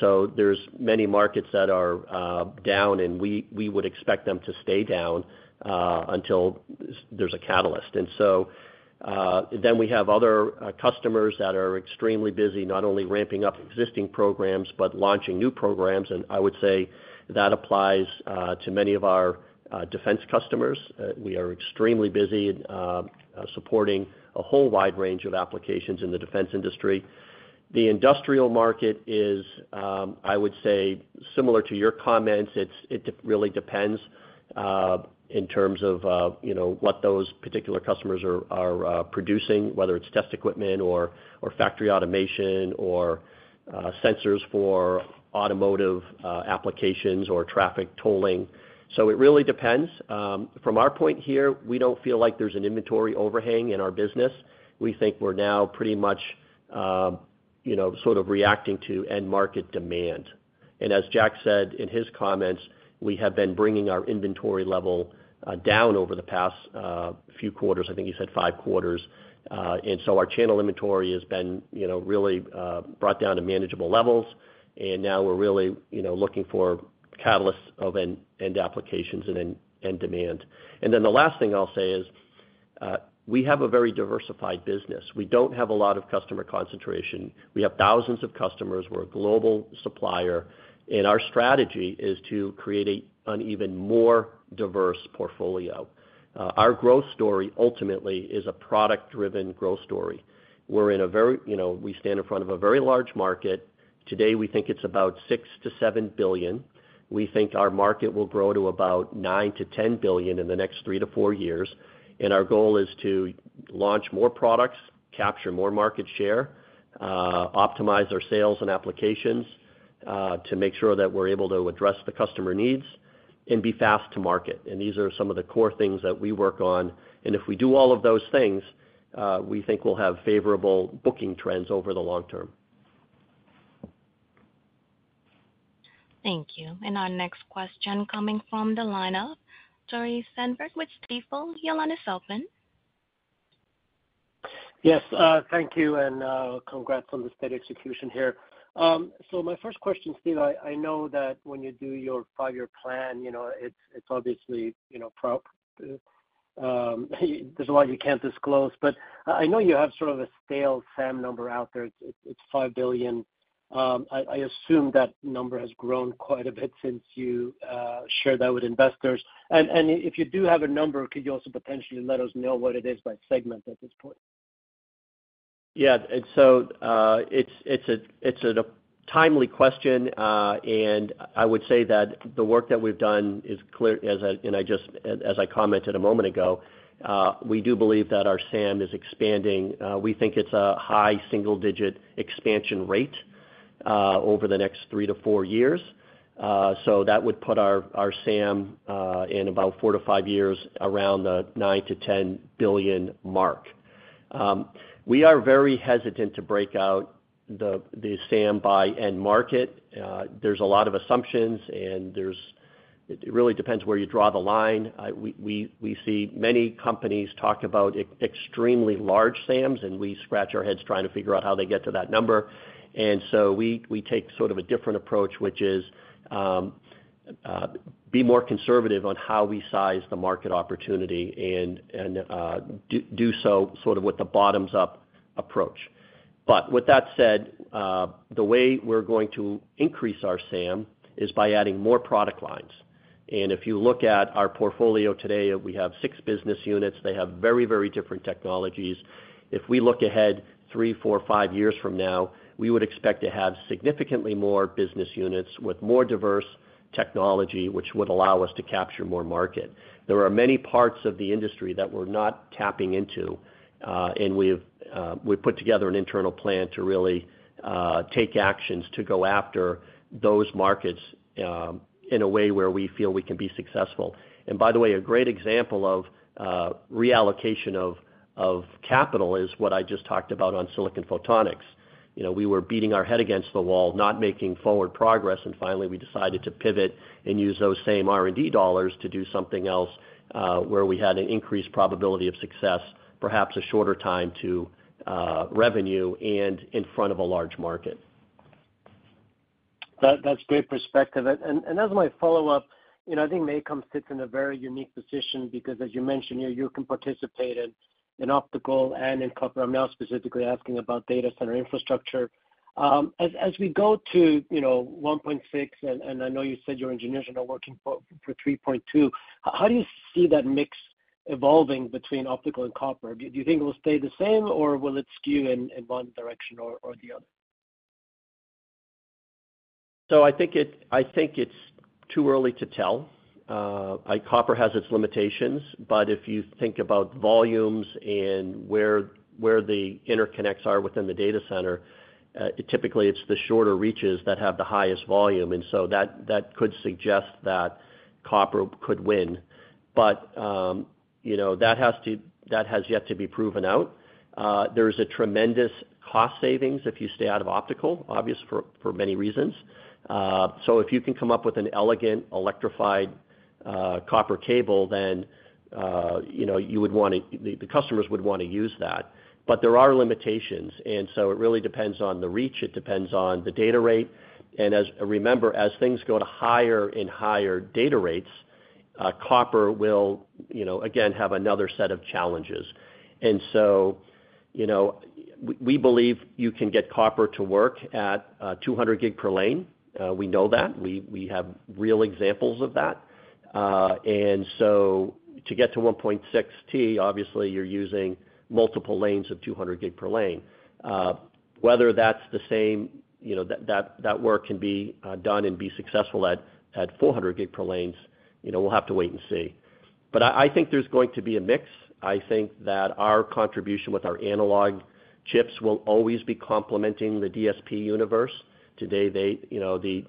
So there's many markets that are down, and we would expect them to stay down until there's a catalyst. Then we have other customers that are extremely busy, not only ramping up existing programs, but launching new programs. And I would say that applies to many of our defense customers. We are extremely busy supporting a whole wide range of applications in the defense industry. The industrial market is, I would say, similar to your comments. It really depends in terms of what those particular customers are producing, whether it's test equipment or factory automation or sensors for automotive applications or traffic tolling. So it really depends. From our point here, we don't feel like there's an inventory overhang in our business. We think we're now pretty much sort of reacting to end market demand. As Jack said in his comments, we have been bringing our inventory level down over the past few quarters. I think he said five quarters. So our channel inventory has been really brought down to manageable levels. Now we're really looking for catalysts of end applications and end demand. The last thing I'll say is we have a very diversified business. We don't have a lot of customer concentration. We have thousands of customers. We're a global supplier. Our strategy is to create an even more diverse portfolio. Our growth story ultimately is a product-driven growth story. We're in a very, you know we stand in front of a very large market. Today, we think it's about $6 billion-$7 billion. We think our market will grow to about $9 billion-$10 billion in the next 3-4 years. Our goal is to launch more products, capture more market share, optimize our sales and applications to make sure that we're able to address the customer needs and be fast to market. These are some of the core things that we work on. If we do all of those things, we think we'll have favorable booking trends over the long term. Thank you. Our next question coming from the lineup, Tore Svanberg with Stifel, your line is open. Yes. Thank you. And congrats on the big execution here. So my first question, Steve, I know that when you do your five-year plan, it's obviously, there's a lot you can't disclose. But I know you have sort of a stale SAM number out there. It's $5 billion. I assume that number has grown quite a bit since you shared that with investors. If you do have a number, could you also potentially let us know what it is by segment at this point? Yeah. So it's a timely question. I would say that the work that we've done is clear. As I commented a moment ago, we do believe that our SAM is expanding. We think it's a high single-digit expansion rate over the next 3-4 years. So that would put our SAM in about 4-5 years around the $9 billion-$10 billion mark. We are very hesitant to break out the SAM by end market. There's a lot of assumptions, and it really depends where you draw the line. We see many companies talk about extremely large SAMs, and we scratch our heads trying to figure out how they get to that number. And so we take sort of a different approach, which is be more conservative on how we size the market opportunity and do so sort of with the bottoms-up approach. But with that said, the way we're going to increase our SAM is by adding more product lines. And if you look at our portfolio today, we have six business units. They have very, very different technologies. If we look ahead three, four, five years from now, we would expect to have significantly more business units with more diverse technology, which would allow us to capture more market. There are many parts of the industry that we're not tapping into. And we've put together an internal plan to really take actions to go after those markets in a way where we feel we can be successful. And by the way, a great example of reallocation of capital is what I just talked about on silicon photonics. We were beating our head against the wall, not making forward progress. And finally, we decided to pivot and use those same R&D dollars to do something else where we had an increased probability of success, perhaps a shorter time to revenue and in front of a large market. That's great perspective. And as my follow-up, I think MACOM sits in a very unique position because, as you mentioned, you can participate in optical and in copper. I'm now specifically asking about data center infrastructure. As we go to 1.6, and I know you said your engineers are now working for 3.2, how do you see that mix evolving between optical and copper? Do you think it will stay the same, or will it skew in one direction or the other? So I think it's too early to tell. Copper has its limitations. But if you think about volumes and where the interconnects are within the data center, typically it's the shorter reaches that have the highest volume. And so that could suggest that copper could win. But that has yet to be proven out. There is a tremendous cost savings if you stay out of optical, obviously for many reasons. So if you can come up with an elegant electrified copper cable, then you would want to, the customers would want to use that. But there are limitations. And so it really depends on the reach. It depends on the data rate. And remember, as things go to higher and higher data rates, copper will, again, have another set of challenges. And so we believe you can get copper to work at 200G per lane. We know that. We have real examples of that. And so to get to 1.6T, obviously, you're using multiple lanes of 200G per lane. Whether that's the same, that work can be done and be successful at 400G per lanes, we'll have to wait and see. But I think there's going to be a mix. I think that our contribution with our analog chips will always be complementing the DSP universe. Today, the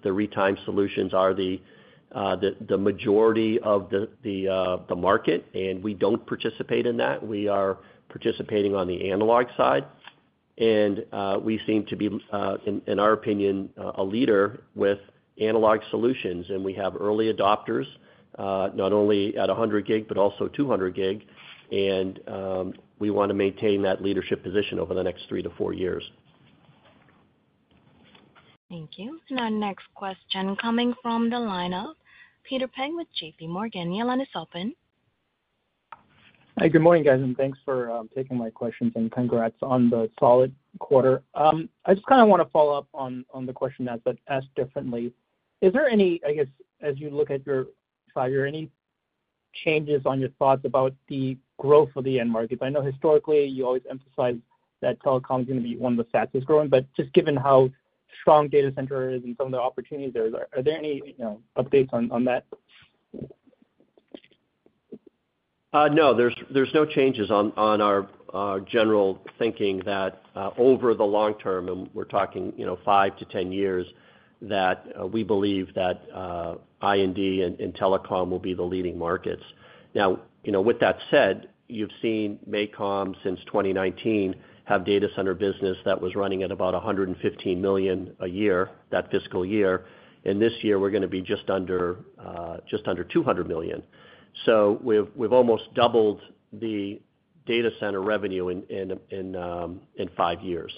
retimer solutions are the majority of the market, and we don't participate in that. We are participating on the analog side. And we seem to be, in our opinion, a leader with analog solutions. And we have early adopters, not only at 100G, but also 200G. And we want to maintain that leadership position over the next three to four years. Thank you. And our next question coming from the lineup, Peter Peng with JPMorgan, your the line is open. Hi, good morning, guys. And thanks for taking my questions and congrats on the solid quarter. I just kind of want to follow up on the question asked differently. Is there any, I guess, as you look at your five-year, any changes on your thoughts about the growth of the end market? I know historically you always emphasize that telecom is going to be one of the fastest growing. But just given how strong data center is and some of the opportunities there are, are there any updates on that? No, there's no changes on our general thinking that over the long term, and we're talking 5-10 years, that we believe that I&D and telecom will be the leading markets. Now, with that said, you've seen MACOM since 2019 have data center business that was running at about $115 million a year, that fiscal year. And this year, we're going to be just under $200 million. So we've almost doubled the data center revenue in 5 years.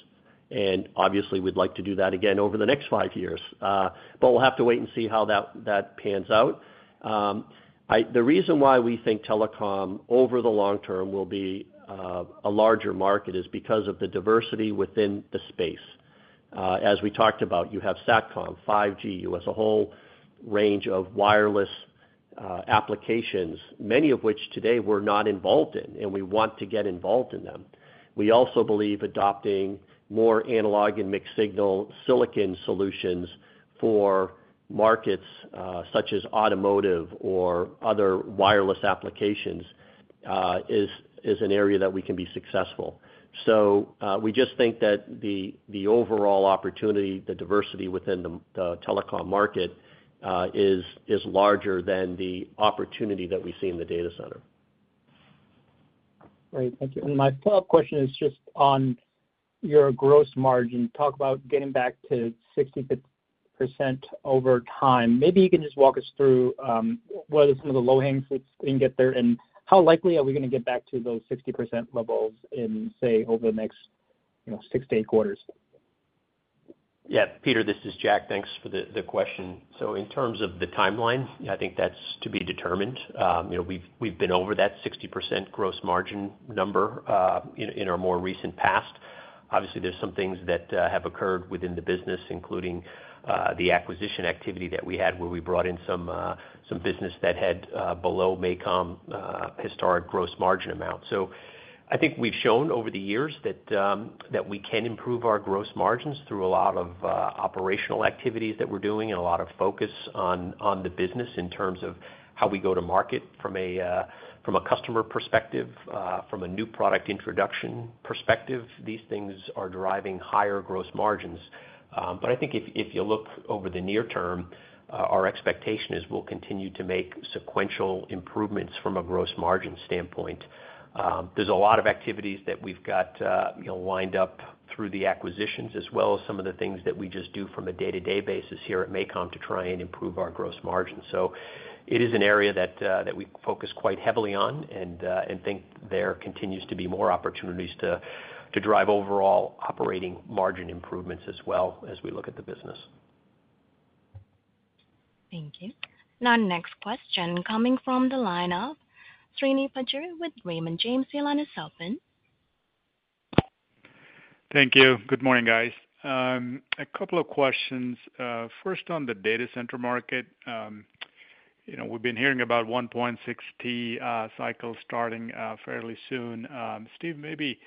And obviously, we'd like to do that again over the next 5 years. But we'll have to wait and see how that pans out. The reason why we think telecom over the long term will be a larger market is because of the diversity within the space. As we talked about, you have SATCOM, 5G, you have a whole range of wireless applications, many of which today we're not involved in, and we want to get involved in them. We also believe adopting more analog and mixed signal silicon solutions for markets such as automotive or other wireless applications is an area that we can be successful. So we just think that the overall opportunity, the diversity within the telecom market is larger than the opportunity that we see in the data center. Great. Thank you. And my follow-up question is just on your gross margin. Talk about getting back to 60% over time. Maybe you can just walk us through what are some of the low hanging fruits that you can get there and how likely are we going to get back to those 60% levels in, say, over the next six to eight quarters? Yeah, Peter, this is Jack. Thanks for the question. So in terms of the timeline, I think that's to be determined. We've been over that 60% gross margin number in our more recent past. Obviously, there's some things that have occurred within the business, including the acquisition activity that we had where we brought in some business that had below MACOM historic gross margin amount. So I think we've shown over the years that we can improve our gross margins through a lot of operational activities that we're doing and a lot of focus on the business in terms of how we go to market from a customer perspective, from a new product introduction perspective. These things are driving higher gross margins. But I think if you look over the near term, our expectation is we'll continue to make sequential improvements from a gross margin standpoint. There's a lot of activities that we've got lined up through the acquisitions as well as some of the things that we just do from a day-to-day basis here at MACOM to try and improve our gross margin. So it is an area that we focus quite heavily on and think there continues to be more opportunities to drive overall operating margin improvements as well as we look at the business. Thank you. And our next question coming from the lineup, Srini Pajjuri with Raymond James, your line is open. Thank you. Good morning, guys. A couple of questions. First, on the data center market, we've been hearing about 1.6T cycle starting fairly soon. Steve, maybe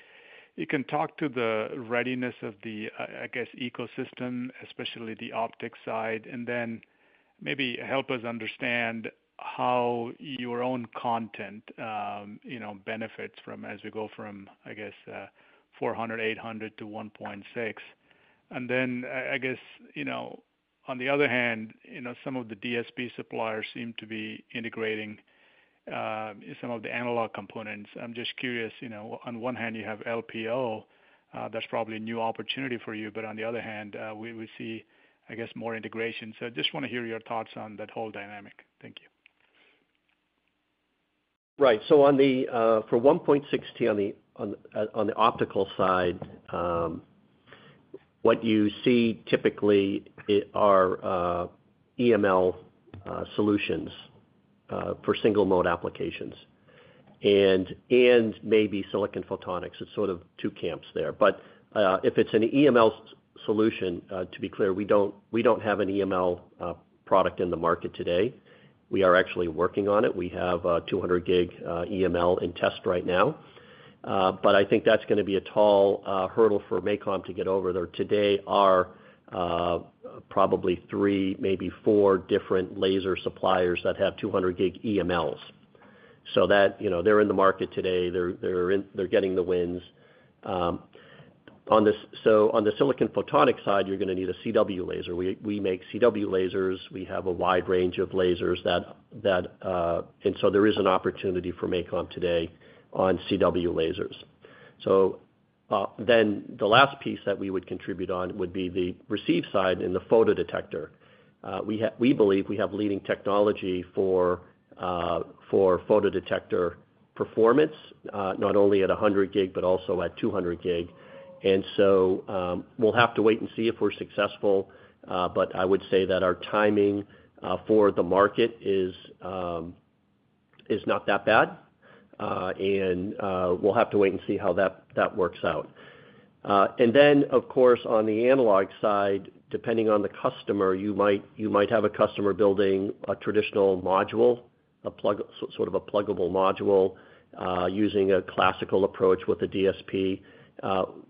you can talk to the readiness of the, I guess, ecosystem, especially the optic side, and then maybe help us understand how your own content benefits from as we go from, I guess, 400G, 800G to 1.6T. And then, I guess, on the other hand, some of the DSP suppliers seem to be integrating some of the analog components. I'm just curious. On one hand, you have LPO. That's probably a new opportunity for you. But on the other hand, we see, I guess, more integration. So I just want to hear your thoughts on that whole dynamic. Thank you. Right. So for 1.6T on the optical side, what you see typically are EML solutions for single-mode applications and maybe silicon photonics. It's sort of two camps there. But if it's an EML solution, to be clear, we don't have an EML product in the market today. We are actually working on it. We have a 200G EML in test right now. But I think that's going to be a tall hurdle for MACOM to get over there. Today, there are probably three, maybe four different laser suppliers that have 200G EMLs. So they're in the market today. They're getting the wins. So on the silicon photonics side, you're going to need a CW laser. We make CW lasers. We have a wide range of lasers. And so there is an opportunity for MACOM today on CW lasers. So then the last piece that we would contribute on would be the receive side in the photodetector. We believe we have leading technology for photodetector performance, not only at 100G, but also at 200G. And so we'll have to wait and see if we're successful. But I would say that our timing for the market is not that bad. We'll have to wait and see how that works out. Then, of course, on the analog side, depending on the customer, you might have a customer building a traditional module, sort of a pluggable module using a classical approach with a DSP.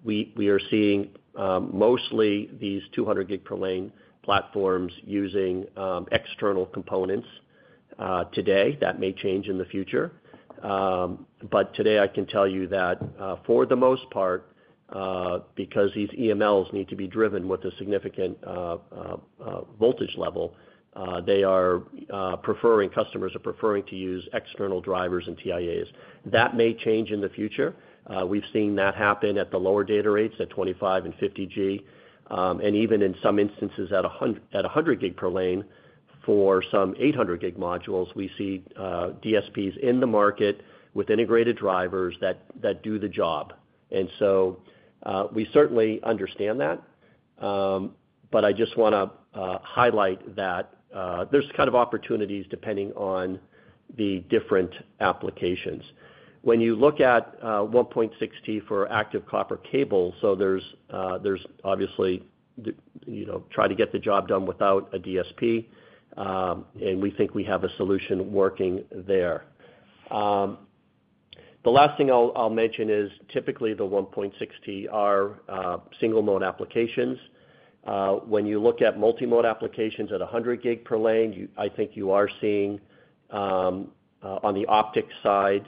We are seeing mostly these 200G per lane platforms using external components today. That may change in the future. But today, I can tell you that for the most part, because these EMLs need to be driven with a significant voltage level, customers are preferring to use external drivers and TIAs. That may change in the future. We've seen that happen at the lower data rates at 25G and 50G, and even in some instances at 100G per lane for some 800G modules. We see DSPs in the market with integrated drivers that do the job. And so we certainly understand that. But I just want to highlight that there's kind of opportunities depending on the different applications. When you look at 1.6T for active copper cable, so there's obviously trying to get the job done without a DSP. And we think we have a solution working there. The last thing I'll mention is typically the 1.6T are single-mode applications. When you look at multi-mode applications at 100G per lane, I think you are seeing on the optic side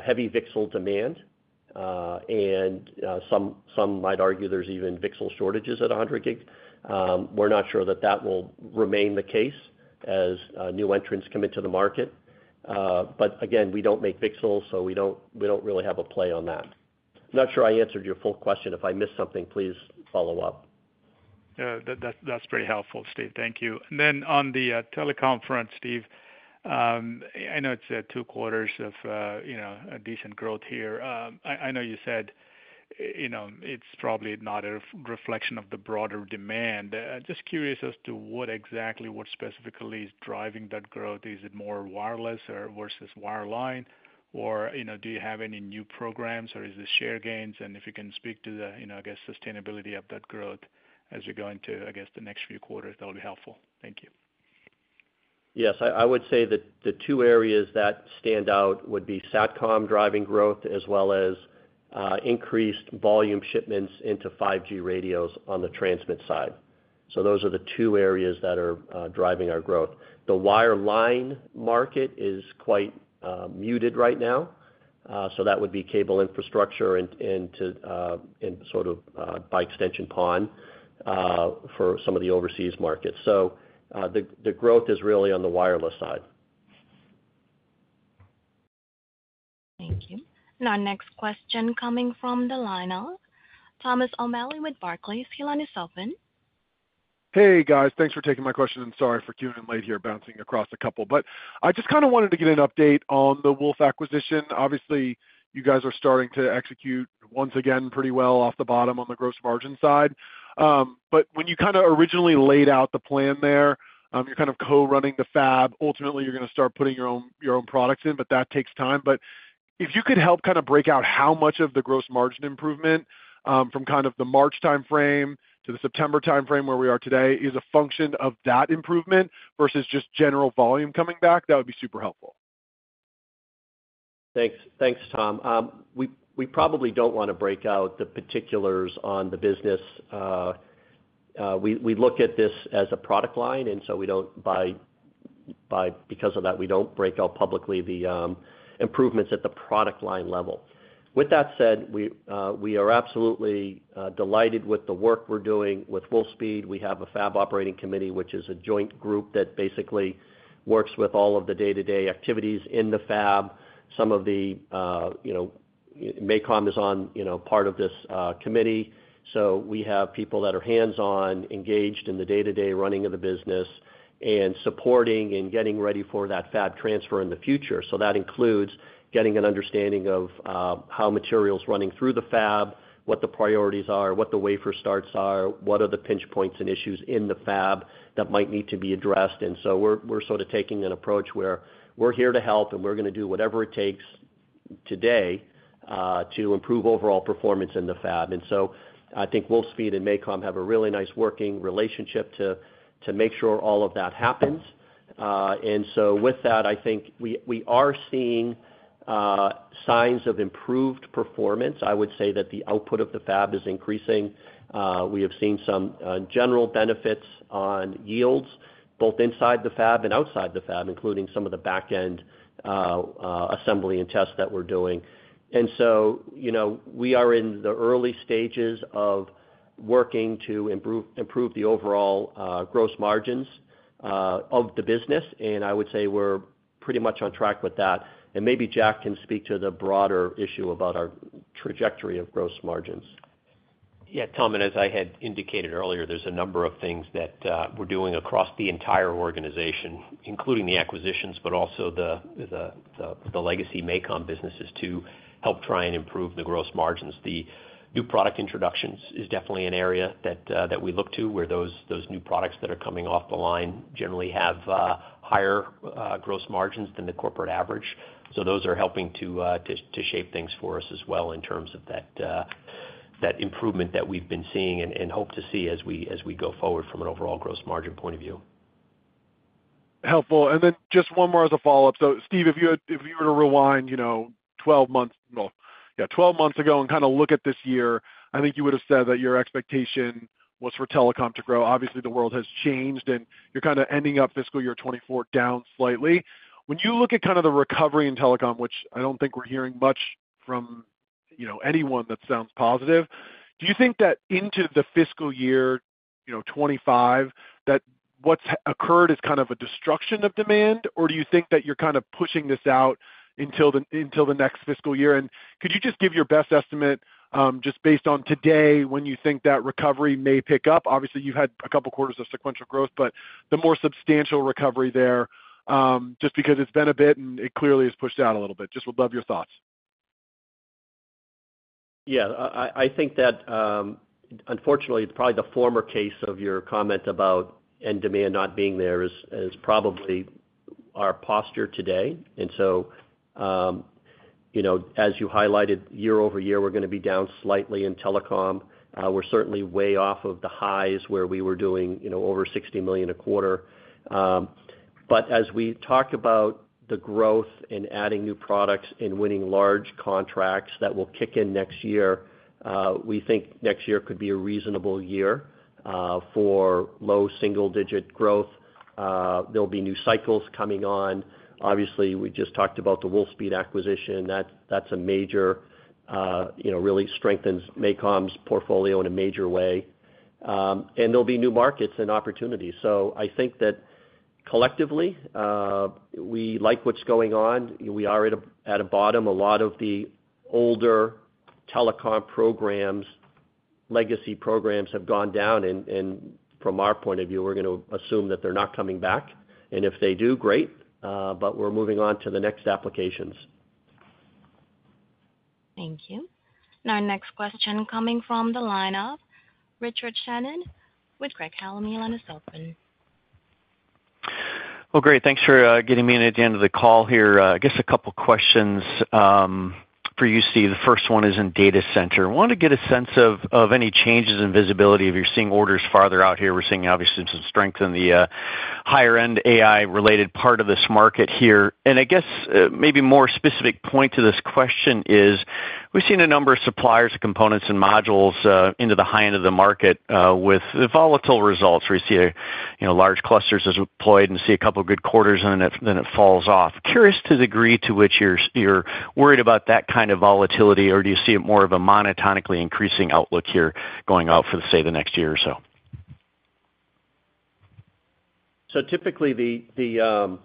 heavy VCSEL demand. And some might argue there's even VCSEL shortages at 100G. We're not sure that that will remain the case as new entrants come into the market. But again, we don't make VCSELs, so we don't really have a play on that. I'm not sure I answered your full question. If I missed something, please follow up. That's very helpful, Steve. Thank you. And then on the telecom front, Steve, I know it's two quarters of a decent growth here. I know you said it's probably not a reflection of the broader demand. Just curious as to what exactly specifically is driving that growth. Is it more wireless versus wireline? Or do you have any new programs? Or is it share gains? And if you can speak to the, I guess, the sustainability of that growth as we go into, I guess, the next few quarters, that would be helpful. Thank you. Yes. I would say that the two areas that stand out would be SATCOM driving growth as well as increased volume shipments into 5G radios on the transmit side. So those are the two areas that are driving our growth. The wireline market is quite muted right now. So that would be cable infrastructure and sort of by extension PON for some of the overseas markets. So the growth is really on the wireless side. Thank you. And our next question coming from the lineup, Thomas O'Malley with Barclays, your line is open. Hey, guys. Thanks for taking my question. And sorry for queuing in late here, bouncing across a couple. But I just kind of wanted to get an update on the Wolfspeed acquisition. Obviously, you guys are starting to execute once again pretty well off the bottom on the gross margin side. But when you kind of originally laid out the plan there, you're kind of co-running the fab. Ultimately, you're going to start putting your own products in, but that takes time. But if you could help kind of break out how much of the gross margin improvement from kind of the March timeframe to the September timeframe where we are today is a function of that improvement versus just general volume coming back, that would be super helpful. Thanks, Tom. We probably don't want to break out the particulars on the business. We look at this as a product line. And so because of that, we don't break out publicly the improvements at the product line level. With that said, we are absolutely delighted with the work we're doing with Wolfspeed. We have a fab operating committee, which is a joint group that basically works with all of the day-to-day activities in the fab. Some of the MACOM is on part of this committee. So we have people that are hands-on, engaged in the day-to-day running of the business and supporting and getting ready for that fab transfer in the future. So that includes getting an understanding of how materials running through the fab, what the priorities are, what the wafer starts are, what are the pinch points and issues in the fab that might need to be addressed. And so we're sort of taking an approach where we're here to help, and we're going to do whatever it takes today to improve overall performance in the fab. And so I think Wolfspeed and MACOM have a really nice working relationship to make sure all of that happens. And so with that, I think we are seeing signs of improved performance. I would say that the output of the fab is increasing. We have seen some general benefits on yields both inside the fab and outside the fab, including some of the back-end assembly and tests that we're doing. And so we are in the early stages of working to improve the overall gross margins of the business. And I would say we're pretty much on track with that. And maybe Jack can speak to the broader issue about our trajectory of gross margins. Yeah. Tom, and as I had indicated earlier, there's a number of things that we're doing across the entire organization, including the acquisitions, but also the legacy MACOM businesses to help try and improve the gross margins. The new product introductions is definitely an area that we look to where those new products that are coming off the line generally have higher gross margins than the corporate average. So those are helping to shape things for us as well in terms of that improvement that we've been seeing and hope to see as we go forward from an overall gross margin point of view. Helpful. And then just one more as a follow-up. So Steve, if you were to rewind 12 months ago and kind of look at this year, I think you would have said that your expectation was for telecom to grow. Obviously, the world has changed, and you're kind of ending up fiscal year 2024 down slightly. When you look at kind of the recovery in telecom, which I don't think we're hearing much from anyone that sounds positive, do you think that into the fiscal year 2025, that what's occurred is kind of a destruction of demand? Or do you think that you're kind of pushing this out until the next fiscal year? And could you just give your best estimate just based on today when you think that recovery may pick up? Obviously, you've had a couple of quarters of sequential growth, but the more substantial recovery there, just because it's been a bit and it clearly has pushed out a little bit. Just would love your thoughts. Yeah. I think that, unfortunately, probably the former case of your comment about end demand not being there is probably our posture today. And so as you highlighted, year-over-year, we're going to be down slightly in telecom. We're certainly way off of the highs where we were doing over $60 million a quarter. But as we talk about the growth and adding new products and winning large contracts that will kick in next year, we think next year could be a reasonable year for low single-digit growth. There'll be new cycles coming on. Obviously, we just talked about the Wolfspeed acquisition. That's a major really strengthens MACOM's portfolio in a major way. And there'll be new markets and opportunities. So I think that collectively, we like what's going on. We are at a bottom. A lot of the older telecom programs, legacy programs have gone down. And from our point of view, we're going to assume that they're not coming back. And if they do, great. But we're moving on to the next applications. Thank you. And our next question coming from the lineup, Richard Shannon with Craig-Hallum. Your line is open. Well, great. Thanks for getting me in at the end of the call here. I guess a couple of questions for you, Steve. The first one is in data center. I want to get a sense of any changes in visibility if you're seeing orders farther out here. We're seeing, obviously, some strength in the higher-end AI-related part of this market here. And I guess maybe a more specific point to this question is we've seen a number of suppliers, components, and modules into the high end of the market with volatile results. We see large clusters as deployed and see a couple of good quarters, and then it falls off. Curious to the degree to which you're worried about that kind of volatility, or do you see it more of a monotonically increasing outlook here going out for, say, the next year or so? So typically, the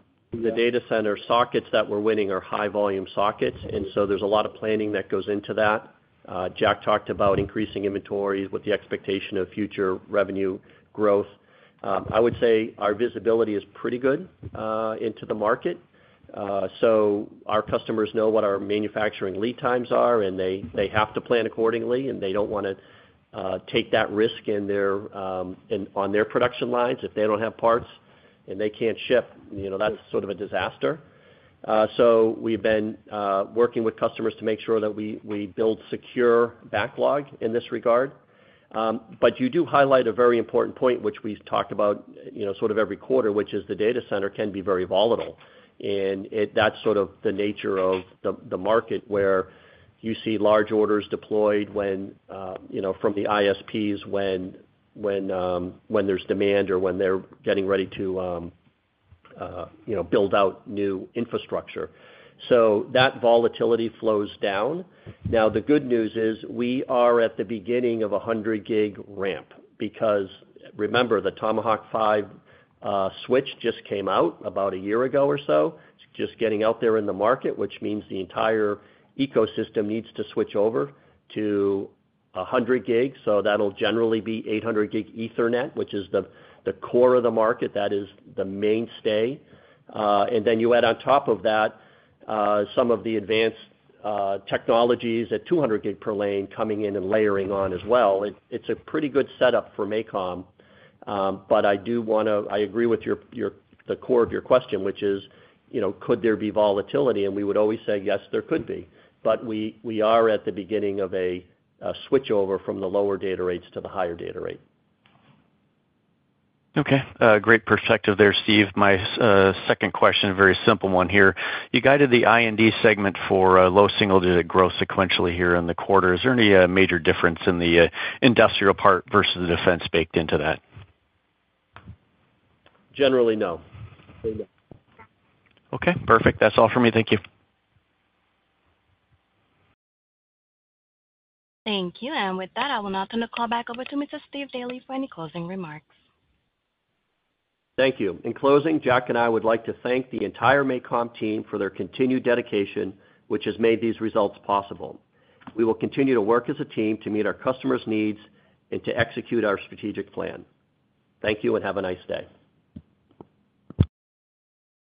data center sockets that we're winning are high-volume sockets. And so there's a lot of planning that goes into that. Jack talked about increasing inventories with the expectation of future revenue growth. I would say our visibility is pretty good into the market. So our customers know what our manufacturing lead times are, and they have to plan accordingly. And they don't want to take that risk on their production lines if they don't have parts and they can't ship. That's sort of a disaster. So we've been working with customers to make sure that we build secure backlog in this regard. But you do highlight a very important point, which we've talked about sort of every quarter, which is the data center can be very volatile. And that's sort of the nature of the market where you see large orders deployed from the ISPs when there's demand or when they're getting ready to build out new infrastructure. So that volatility flows down. Now, the good news is we are at the beginning of a 100G ramp because, remember, the Tomahawk 5 switch just came out about a year ago or so. It's just getting out there in the market, which means the entire ecosystem needs to switch over to 100G. So that'll generally be 800G Ethernet, which is the core of the market. That is the mainstay. And then you add on top of that some of the advanced technologies at 200G per lane coming in and layering on as well. It's a pretty good setup for MACOM. But I do want to I agree with the core of your question, which is, could there be volatility? And we would always say, yes, there could be. But we are at the beginning of a switchover from the lower data rates to the higher data rate. Okay. Great perspective there, Steve. My second question, a very simple one here. You guided the I&D segment for low single-digit growth sequentially here in the quarter. Is there any major difference in the industrial part versus the defense baked into that? Generally, no. Okay. Perfect. That's all for me. Thank you. Thank you. And with that, I will now turn the call back over to Mr. Steve Daly for any closing remarks. Thank you. In closing, Jack and I would like to thank the entire MACOM team for their continued dedication, which has made these results possible. We will continue to work as a team to meet our customers' needs and to execute our strategic plan. Thank you and have a nice day.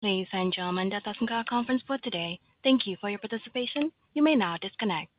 Ladies and gentlemen, that concludes our conference for today. Thank you for your participation. You may now disconnect.